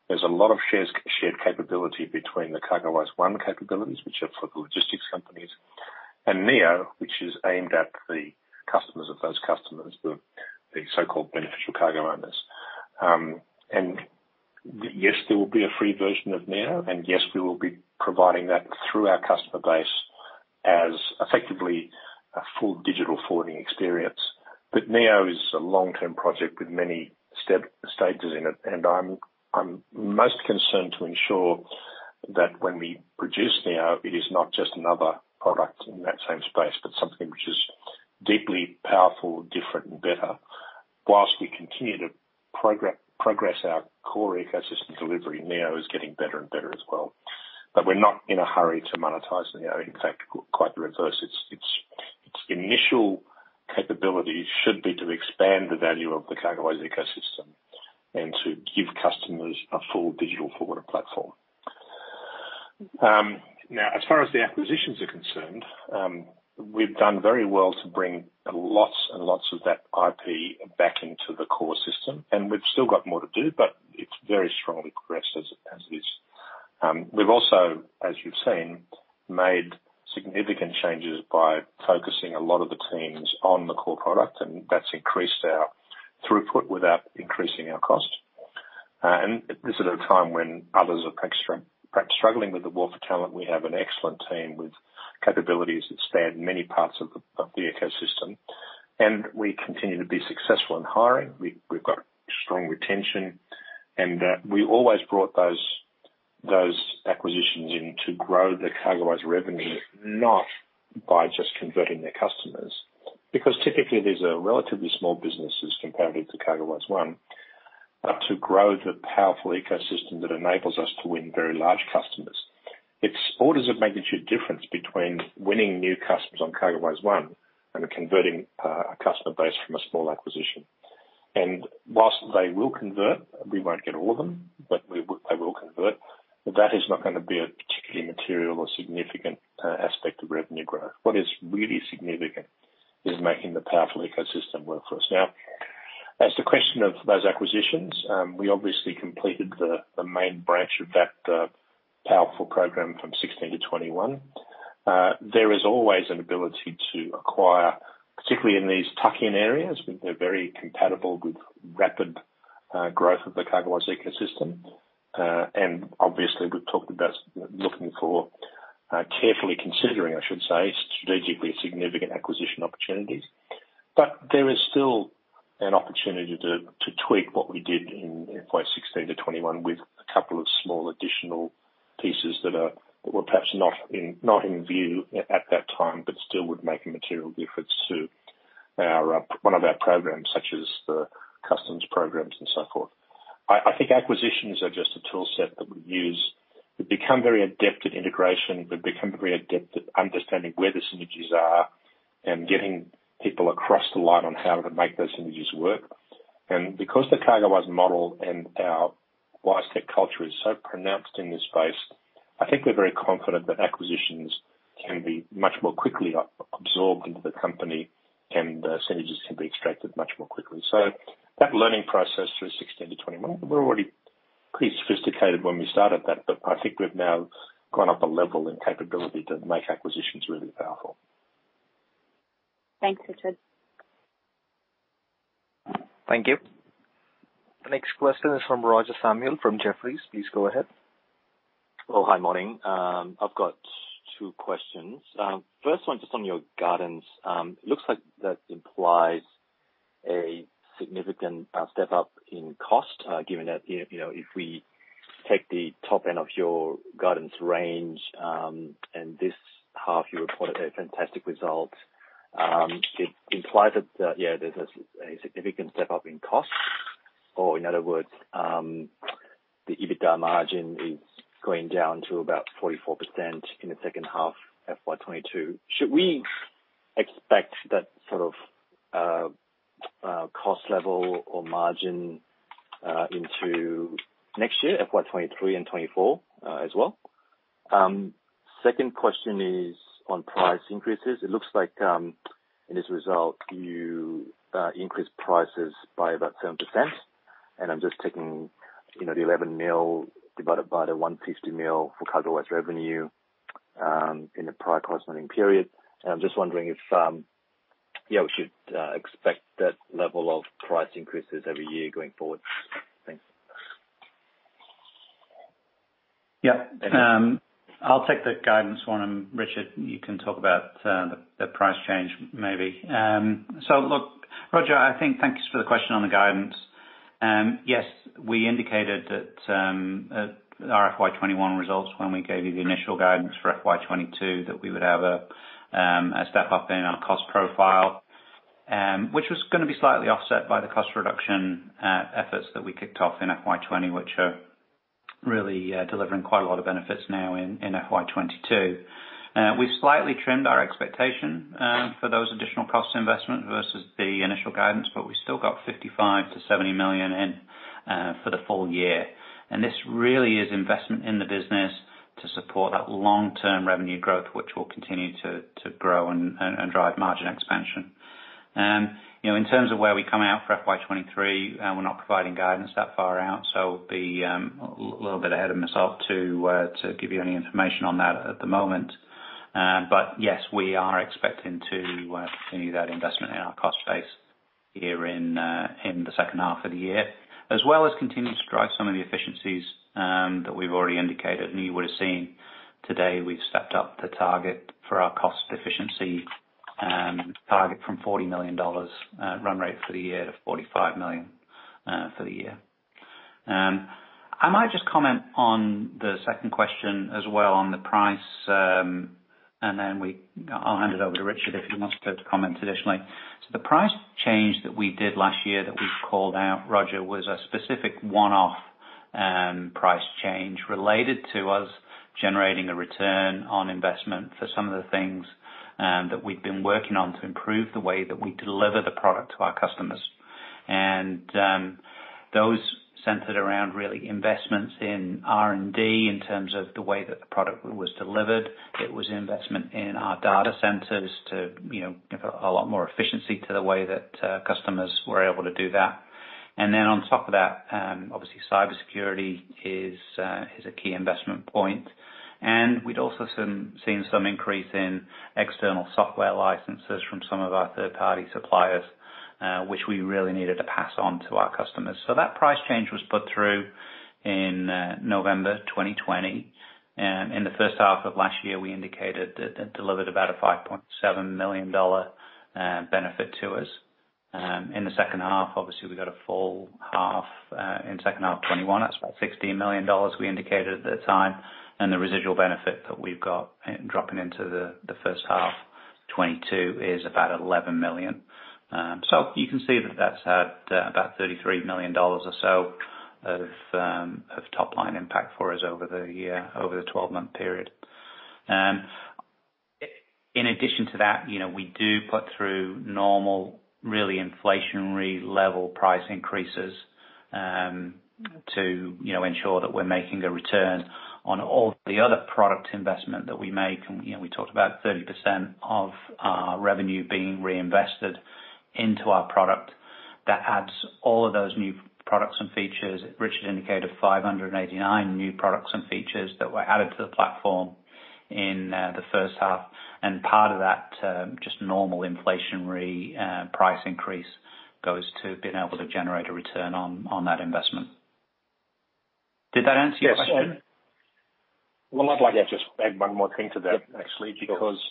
there's a lot of shared capability between the CargoWise One capabilities, which are for the logistics companies, and Neo, which is aimed at the customers of those customers, the so-called beneficial cargo owners. Yes, there will be a free version of Neo and yes, we will be providing that through our customer base as effectively a full digital forwarding experience. Neo is a long-term project with many stages in it, and I'm most concerned to ensure that when we produce Neo, it is not just another product in that same space, but something which is deeply powerful, different and better. While we continue to progress our core ecosystem delivery, Neo is getting better and better as well. We're not in a hurry to monetize Neo. In fact, quite the reverse. Its initial capability should be to expand the value of the CargoWise ecosystem and to give customers a full digital forwarder platform. Now, as far as the acquisitions are concerned, we've done very well to bring lots and lots of that IP back into the core system, and we've still got more to do, but it's very strongly progressed as it is. We've also, as you've seen, made significant changes by focusing a lot of the teams on the core product, and that's increased our throughput without increasing our cost. This is at a time when others are perhaps struggling with the war for talent. We have an excellent team with capabilities that span many parts of the ecosystem. We continue to be successful in hiring. We've got strong retention. We always brought those acquisitions in to grow the CargoWise revenue, not by just converting their customers. Because typically, these are relatively small businesses compared to CargoWise One, to grow the powerful ecosystem that enables us to win very large customers. It's orders of magnitude difference between winning new customers on CargoWise One and converting a customer base from a small acquisition. While they will convert, we won't get all of them, they will convert. That is not gonna be a particularly material or significant aspect of revenue growth. What is really significant is making the powerful ecosystem work for us. Now, as the question of those acquisitions, we obviously completed the main branch of that powerful program from 2016 to 2021. There is always an ability to acquire, particularly in these tuck-in areas. We've been very compatible with rapid growth of the CargoWise ecosystem. Obviously, we've talked about looking for carefully considering, I should say, strategically significant acquisition opportunities. There is still an opportunity to tweak what we did in 2016-2021 with a couple of small additional pieces that were perhaps not in view at that time, but still would make a material difference to one of our programs such as the customs programs and so forth. I think acquisitions are just a toolset that we use. We've become very adept at integration. We've become very adept at understanding where the synergies are and getting people across the line on how to make those synergies work. Because the CargoWise model and our WiseTech culture is so pronounced in this space, I think we're very confident that acquisitions can be much more quickly absorbed into the company and the synergies can be extracted much more quickly. that learning process through 2016-2021, we were already pretty sophisticated when we started that, but I think we've now gone up a level in capability to make acquisitions really powerful. Thanks, Richard. Thank you. The next question is from Roger Samuel from Jefferies. Please go ahead. Well, hi. Morning. I've got two questions. First one, just on your guidance. Looks like that implies a significant step up in cost, given that you know, if we take the top end of your guidance range, and this half, you reported a fantastic result, it implies that yeah, there's a significant step up in cost. Or in other words, the EBITDA margin is going down to about 44% in the second half FY 2022. Should we expect that sort of cost level or margin into next year, FY 2023 and 2024, as well? Second question is on price increases. It looks like in this result you increased prices by about 7%. I'm just taking, you know, the 11 million divided by the 150 million for CargoWise revenue in the prior corresponding period. I'm just wondering if, yeah, we should expect that level of price increases every year going forward. Thanks. Yeah. Thank you. I'll take the guidance one and Richard, you can talk about the price change maybe. Look, Roger, I think thanks for the question on the guidance. Yes. We indicated that our FY 2021 results when we gave you the initial guidance for FY 2022, that we would have a step up in our cost profile, which was gonna be slightly offset by the cost reduction efforts that we kicked off in FY 2020, which are really delivering quite a lot of benefits now in FY 2022. We've slightly trimmed our expectation for those additional cost investment versus the initial guidance, but we still got 55 million-70 million for the full year. This really is investment in the business to support that long-term revenue growth, which will continue to grow and drive margin expansion. You know, in terms of where we come out for FY 2023, we're not providing guidance that far out, so be a little bit ahead of myself to give you any information on that at the moment. Yes, we are expecting to continue that investment in our cost base here in the second half of the year, as well as continue to drive some of the efficiencies that we've already indicated. You would've seen today, we've stepped up the target for our cost efficiency target from 40 million dollars run rate for the year to 45 million for the year. I might just comment on the second question as well, on the price, and then we'll hand it over to Richard, if he wants to comment additionally. The price change that we did last year that we called out, Roger, was a specific one-off price change related to us generating a return on investment for some of the things that we'd been working on to improve the way that we deliver the product to our customers. Those centered around really investments in R&D in terms of the way that the product was delivered. It was investment in our data centers to, you know, give a lot more efficiency to the way that customers were able to do that. Obviously cybersecurity is a key investment point. We'd also seen some increase in external software licenses from some of our third-party suppliers, which we really needed to pass on to our customers. That price change was put through in November 2020. In the first half of last year, we indicated that it delivered about a 5.7 million dollar benefit to us. In the second half, obviously, we got a full half in second half 2021. That's about 60 million dollars we indicated at the time, and the residual benefit that we've got dropping into the first half 2022 is about 11 million. You can see that that's had about 33 million dollars or so of top-line impact for us over the year, over the 12-month period. In addition to that, you know, we do put through normal, really inflationary level price increases to, you know, ensure that we're making a return on all the other product investment that we make. You know, we talked about 30% of our revenue being reinvested into our product. That adds all of those new products and features. Richard indicated 589 new products and features that were added to the platform in the first half. Part of that, just normal inflationary price increase goes to being able to generate a return on that investment. Did that answer your question? Yes. Well, I'd like to just add one more thing to that actually. Yeah, sure. Because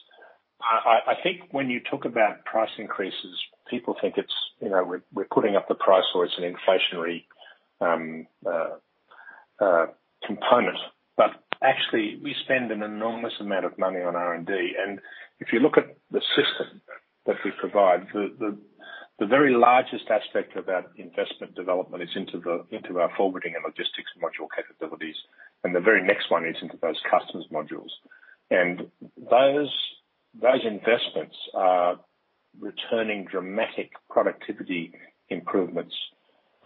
I think when you talk about price increases, people think it's, you know, we're putting up the price or it's an inflationary component. Actually, we spend an enormous amount of money on R&D. If you look at the system that we provide, the very largest aspect of our investment development is into our forwarding and logistics module capabilities. The very next one is into those customers modules. Those investments are returning dramatic productivity improvements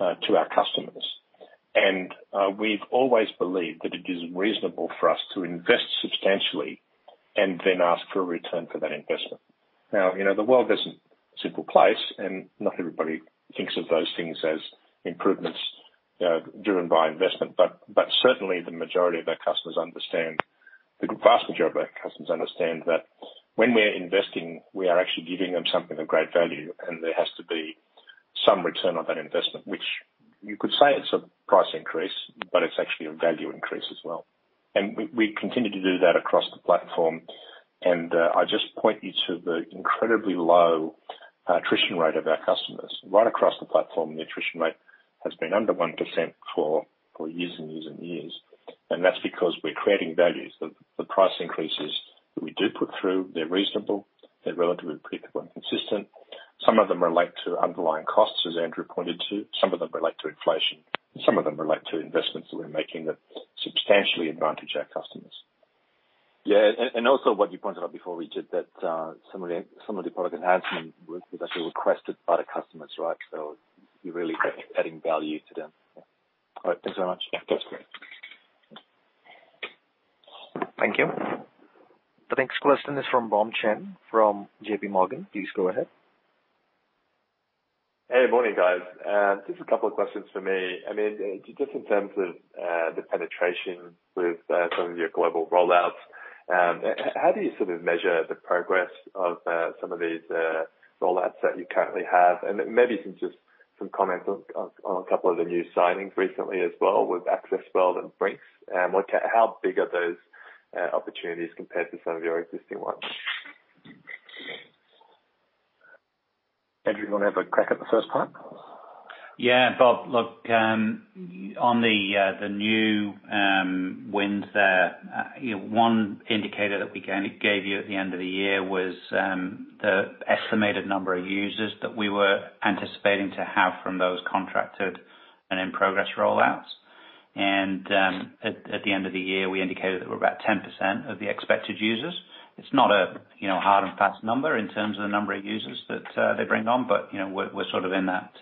to our customers. We've always believed that it is reasonable for us to invest substantially and then ask for a return for that investment. Now, you know, the world isn't simple place, and not everybody thinks of those things as improvements driven by investment. Certainly the majority of our customers understand, the vast majority of our customers understand that when we're investing, we are actually giving them something of great value, and there has to be some return on that investment, which you could say it's a price increase, but it's actually a value increase as well. We continue to do that across the platform. I just point you to the incredibly low attrition rate of our customers. Right across the platform, the attrition rate has been under 1% for years and years and years. That's because we're creating value. The price increases that we do put through, they're reasonable, they're relatively predictable and consistent. Some of them relate to underlying costs, as Andrew pointed to. Some of them relate to inflation. Some of them relate to investments that we're making that substantially advantage our customers. Yeah. Also what you pointed out before, Richard, that some of the product enhancement was actually requested by the customers, right? You're really adding value to them. Yeah. All right. Thanks so much. Yeah. That's great. Thank you. The next question is from Bob Chen from JPMorgan. Please go ahead. Hey, morning, guys. Just a couple of questions for me. I mean, just in terms of the penetration with some of your global rollouts, how do you sort of measure the progress of some of these rollouts that you currently have? Maybe some just some comments on a couple of the new signings recently as well with Access World and Brink's, how big are those opportunities compared to some of your existing ones? Andrew, you want to have a crack at the first part? Yeah, Bob, look, on the new wins there, you know, one indicator that we gave you at the end of the year was the estimated number of users that we were anticipating to have from those contracted and in-progress roll-outs. At the end of the year, we indicated that we're about 10% of the expected users. It's not a, you know, hard and fast number in terms of the number of users that they bring on, but, you know, we're sort of in that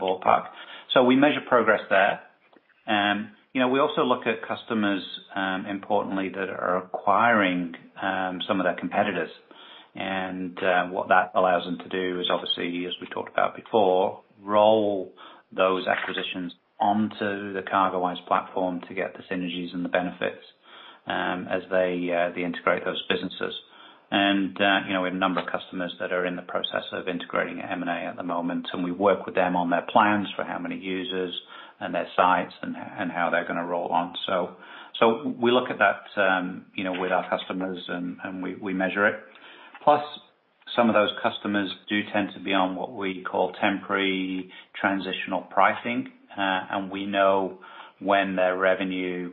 ballpark. We measure progress there. You know, we also look at customers importantly that are acquiring some of their competitors. What that allows them to do is, obviously, as we talked about before, roll those acquisitions onto the CargoWise platform to get the synergies and the benefits, as they integrate those businesses. You know, we have a number of customers that are in the process of integrating M&A at the moment, and we work with them on their plans for how many users and their sites and how they're gonna roll on. We look at that, you know, with our customers and we measure it. Plus, some of those customers do tend to be on what we call temporary transitional pricing. We know when their revenue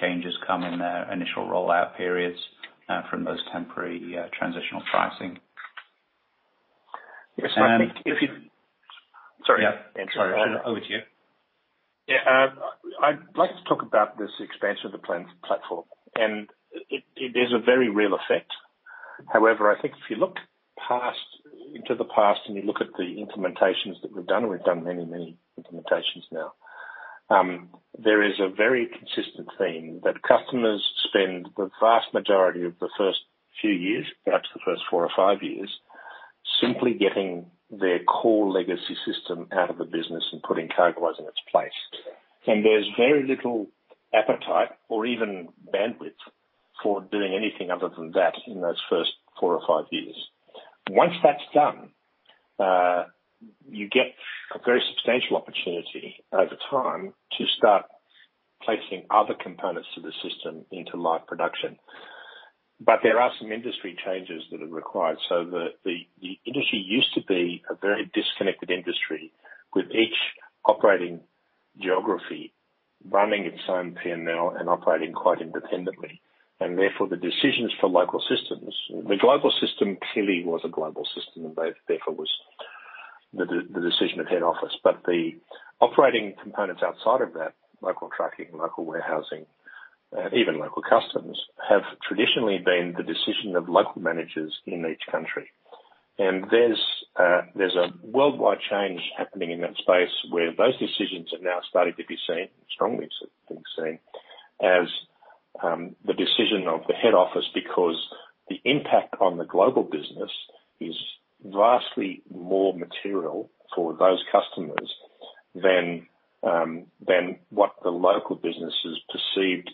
changes come in their initial rollout periods from those temporary transitional pricing. Yes. I think if you Sorry. Yeah. Sorry. Over to you. Yeah. I'd like to talk about this expansion of the platform. It is a very real effect. However, I think if you look past, into the past and you look at the implementations that we've done, we've done many implementations now. There is a very consistent theme that customers spend the vast majority of the first few years, perhaps the first four or five years, simply getting their core legacy system out of the business and putting CargoWise in its place. There's very little appetite or even bandwidth for doing anything other than that in those first four or five years. Once that's done, you get a very substantial opportunity over time to start placing other components of the system into live production. There are some industry changes that are required. The industry used to be a very disconnected industry, with each operating geography running its own P&L and operating quite independently. Therefore, the decisions for local systems, the global system clearly was a global system and therefore was the decision of head office. The operating components outside of that, local trucking, local warehousing, even local customs, have traditionally been the decision of local managers in each country. There's a worldwide change happening in that space, where those decisions are now starting to be seen, strongly being seen, as the decision of the head office, because the impact on the global business is vastly more material for those customers than what the local businesses perceived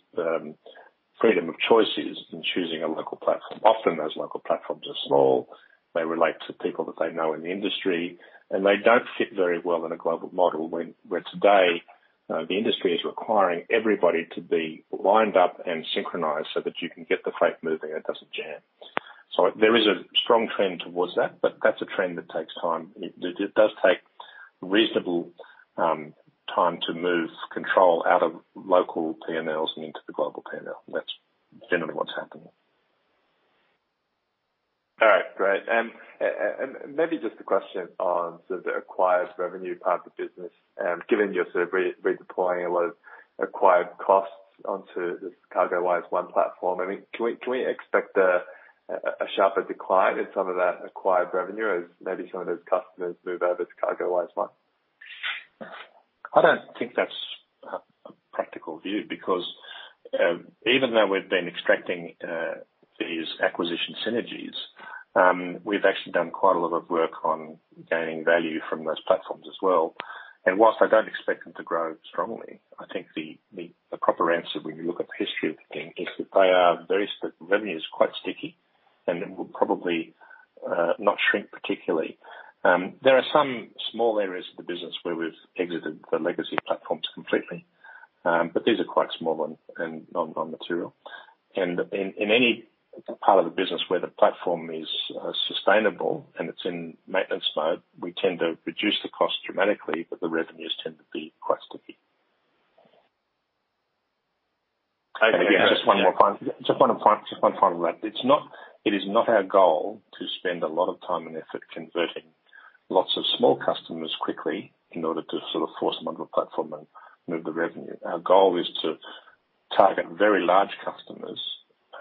freedom of choice is in choosing a local platform. Often those local platforms are small. They relate to people that they know in the industry, and they don't fit very well in a global model where today, the industry is requiring everybody to be lined up and synchronized so that you can get the freight moving and it doesn't jam. There is a strong trend towards that, but that's a trend that takes time. It does take reasonable time to move control out of local P&Ls and into the global P&L. That's generally what's happening. All right, great. And maybe just a question on sort of the acquired revenue part of the business. Given you're sort of redeploying a lot of acquired costs onto this CargoWise One platform, I mean, can we expect a sharper decline in some of that acquired revenue as maybe some of those customers move over to CargoWise One? I don't think that's a practical view because even though we've been extracting these acquisition synergies, we've actually done quite a lot of work on gaining value from those platforms as well. While I don't expect them to grow strongly, I think the proper answer when you look at the history of the thing is that revenue is quite sticky, and it will probably not shrink particularly. There are some small areas of the business where we've exited the legacy platforms completely, but these are quite small and non-material. In any part of the business where the platform is sustainable and it's in maintenance mode, we tend to reduce the cost dramatically, but the revenues tend to be quite sticky. Okay. Again, just one more point. Just one final note. It is not our goal to spend a lot of time and effort converting lots of small customers quickly in order to sort of force them onto a platform and move the revenue. Our goal is to target very large customers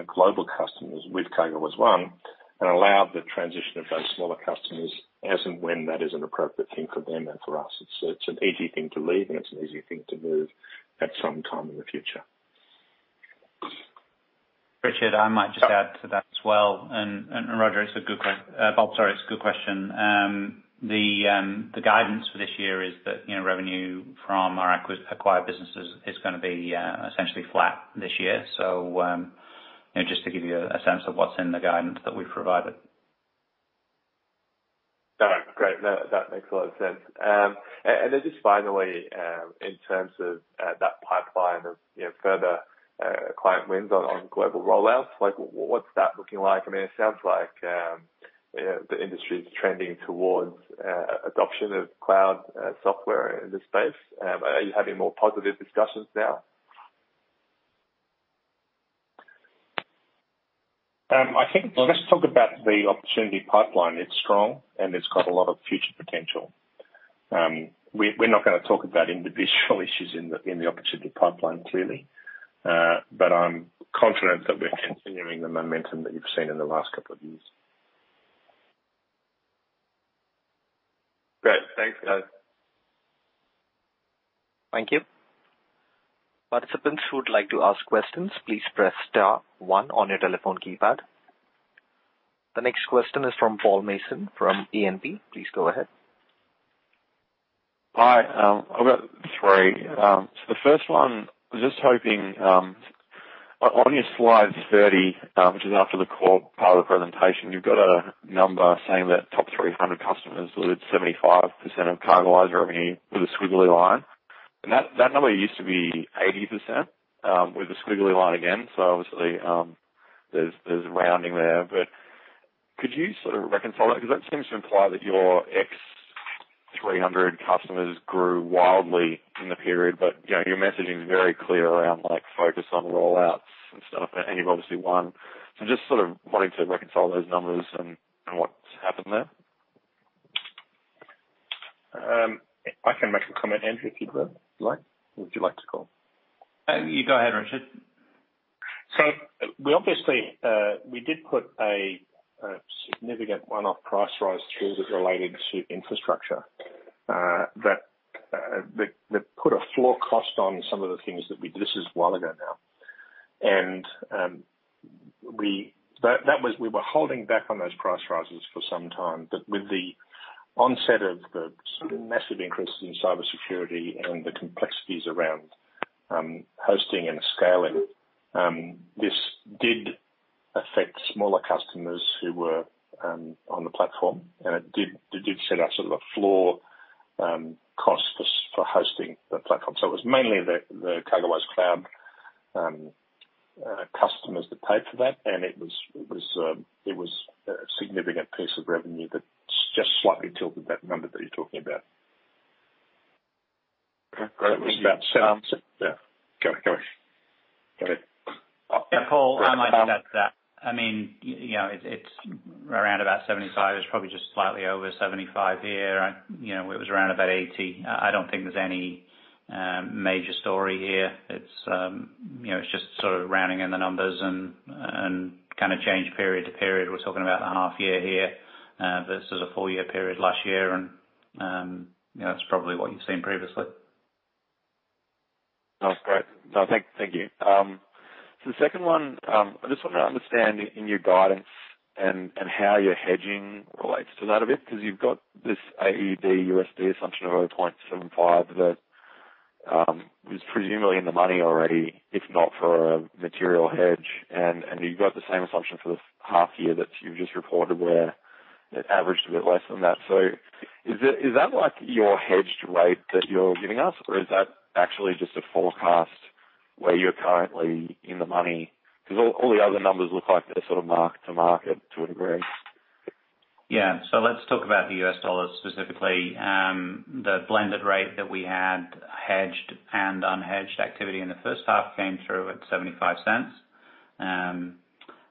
and global customers with CargoWise One, and allow the transition of those smaller customers as and when that is an appropriate thing for them and for us. It's an easy thing to leave and it's an easy thing to move at some time in the future. Richard, I might just add to that as well. Roger, it's a good question. Bob, sorry, it's a good question. The guidance for this year is that, you know, revenue from our acquired businesses is gonna be essentially flat this year. You know, just to give you a sense of what's in the guidance that we've provided. All right, great. That makes a lot of sense. And then just finally, in terms of that pipeline of, you know, further client wins on global rollouts, like what's that looking like? I mean, it sounds like Yeah, the industry is trending towards adoption of cloud software in this space. Are you having more positive discussions now? I think let's talk about the opportunity pipeline. It's strong, and it's got a lot of future potential. We're not gonna talk about individual issues in the opportunity pipeline, clearly. I'm confident that we're continuing the momentum that you've seen in the last couple of years. Great. Thanks, guys. Thank you. Participants who would like to ask questions, please press star one on your telephone keypad. The next question is from Paul Mason from E&P. Please go ahead. Hi. I've got three. The first one, I was just hoping, on your slide 30, which is after the core part of the presentation, you've got a number saying that top 300 customers with 75% of CargoWise revenue with a squiggly line. And that number used to be 80%, with a squiggly line again. Obviously, there's rounding there. Could you sort of reconcile it? Because that seems to imply that your top 300 customers grew wildly in the period. You know, your messaging is very clear around, like, focus on rollouts and stuff, and you've obviously won. Just sort of wanting to reconcile those numbers and what's happened there. I can make a comment, Andrew, if you'd like. Would you like to call? You go ahead, Richard. We obviously did put a significant one-off price rise through that related to infrastructure that put a floor cost on some of the things that we did. This is a while ago now. That was. We were holding back on those price rises for some time. With the onset of the sort of massive increases in cybersecurity and the complexities around hosting and scaling, this did affect smaller customers who were on the platform, and it did set up sort of a floor cost for hosting the platform. It was mainly the CargoWise cloud customers that paid for that. It was a significant piece of revenue that just slightly tilted that number that you're talking about. Okay, great. It was about 7 million, yeah. Go ahead. Yeah, Paul, I might add to that. I mean, you know, it's around about 75%. It's probably just slightly over 75% here. You know, it was around about 80%. I don't think there's any major story here. It's, you know, it's just sort of rounding in the numbers and kinda change period to period. We're talking about a half year here versus a full year period last year. You know, that's probably what you've seen previously. No, great. No, thank you. The second one, I just want to understand in your guidance and how your hedging relates to that a bit because you've got this AUD/USD assumption of 0.75 that is presumably in the money already, if not for a material hedge. You've got the same assumption for the half year that you've just reported where it averaged a bit less than that. Is that like your hedged rate that you're giving us? Or is that actually just a forecast where you're currently in the money? Cause all the other numbers look like they're sort of mark-to-market to a degree. Yeah. Let's talk about the U.S. dollar specifically. The blended rate that we had hedged and unhedged activity in the first half came through at $0.75,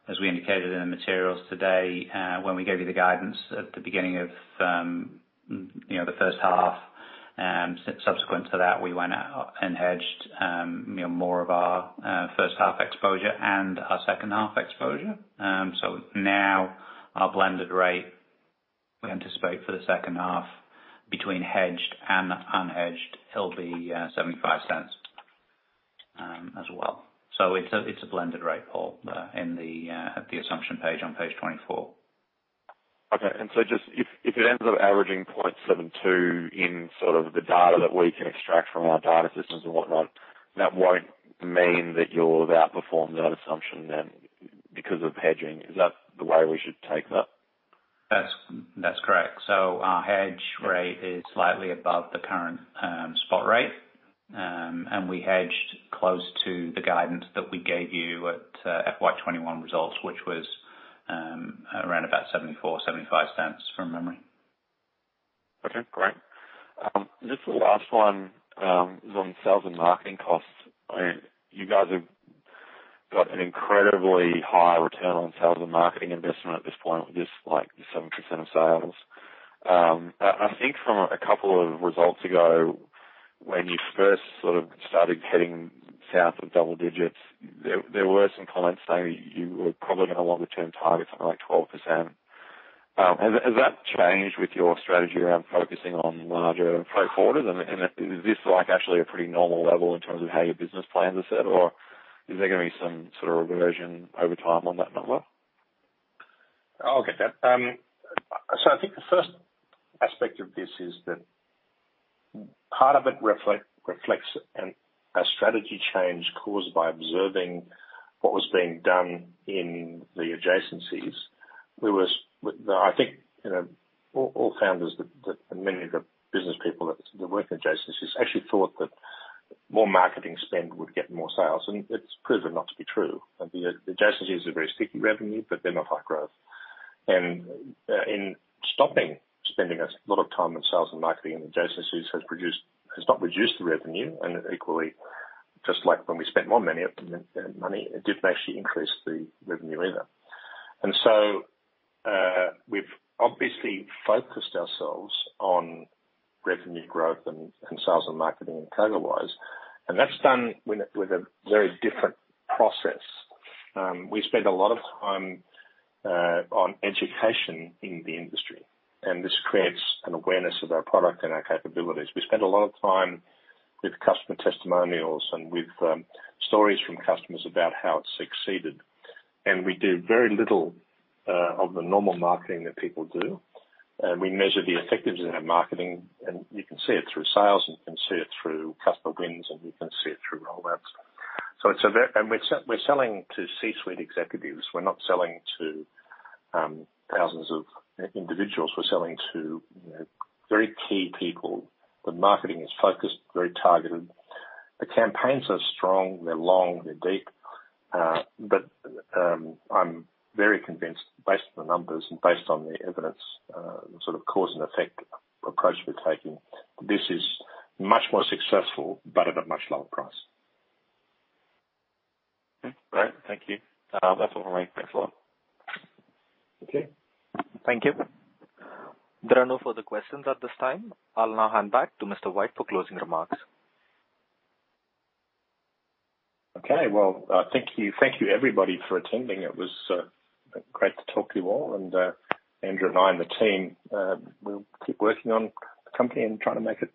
as we indicated in the materials today, when we gave you the guidance at the beginning of, you know, the first half. Subsequent to that, we went out and hedged, you know, more of our first half exposure and our second half exposure. Now our blended rate we anticipate for the second half between hedged and unhedged will be $0.75 as well. It's a blended rate, Paul, in the assumption page on page 24. Okay. Just if it ends up averaging $0.72 in sort of the data that we can extract from our data systems and whatnot, that won't mean that you'll have outperformed that assumption then because of hedging. Is that the way we should take that? That's correct. Our hedge rate is slightly above the current spot rate. We hedged close to the guidance that we gave you at FY 2021 results, which was around about $0.74-$0.75 cents from memory. Okay, great. Just the last one is on sales and marketing costs. I mean, you guys have got an incredibly high return on sales and marketing investment at this point with just like 7% of sales. I think from a couple of results ago when you first sort of started heading south of double digits, there were some comments saying that you were probably going to long-term target something like 12%. Has that changed with your strategy around focusing on larger pro forma? And is this like actually a pretty normal level in terms of how your business plans are set, or is there gonna be some sort of reversion over time on that number? I'll get that. So I think the first aspect of this is that part of it reflects a strategy change caused by observing what was being done in the adjacencies. I think, you know, all founders that and many of the business people that work in adjacencies actually thought that more marketing spend would get more sales, and it's proven not to be true. The adjacencies is a very sticky revenue, but they're not high growth. In stopping spending a lot of time in sales and marketing and adjacencies has not reduced the revenue. Equally, just like when we spent more money on them, it didn't actually increase the revenue either. We've obviously focused ourselves on revenue growth and sales and marketing in CargoWise, and that's done with a very different process. We spend a lot of time on education in the industry, and this creates an awareness of our product and our capabilities. We spend a lot of time with customer testimonials and with stories from customers about how it succeeded. We do very little of the normal marketing that people do. We measure the effectiveness of our marketing, and you can see it through sales, and you can see it through customer wins, and you can see it through rollouts. It's a very. We're selling to C-suite executives. We're not selling to thousands of individuals. We're selling to, you know, very key people. The marketing is focused, very targeted. The campaigns are strong, they're long, they're deep. I'm very convinced based on the numbers and based on the evidence, sort of cause and effect approach we're taking, this is much more successful but at a much lower price. Great. Thank you. That's all for me. Thanks a lot. Okay. Thank you. There are no further questions at this time. I'll now hand back to Mr. White for closing remarks. Okay. Well, thank you. Thank you everybody for attending. It was great to talk to you all. Andrew and I and the team, we'll keep working on the company and trying to make it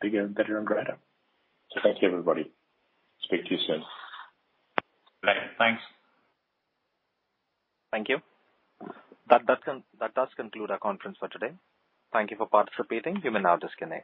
bigger and better and greater. Thank you, everybody. Speak to you soon. Great. Thanks. Thank you. That does conclude our conference for today. Thank you for participating. You may now disconnect.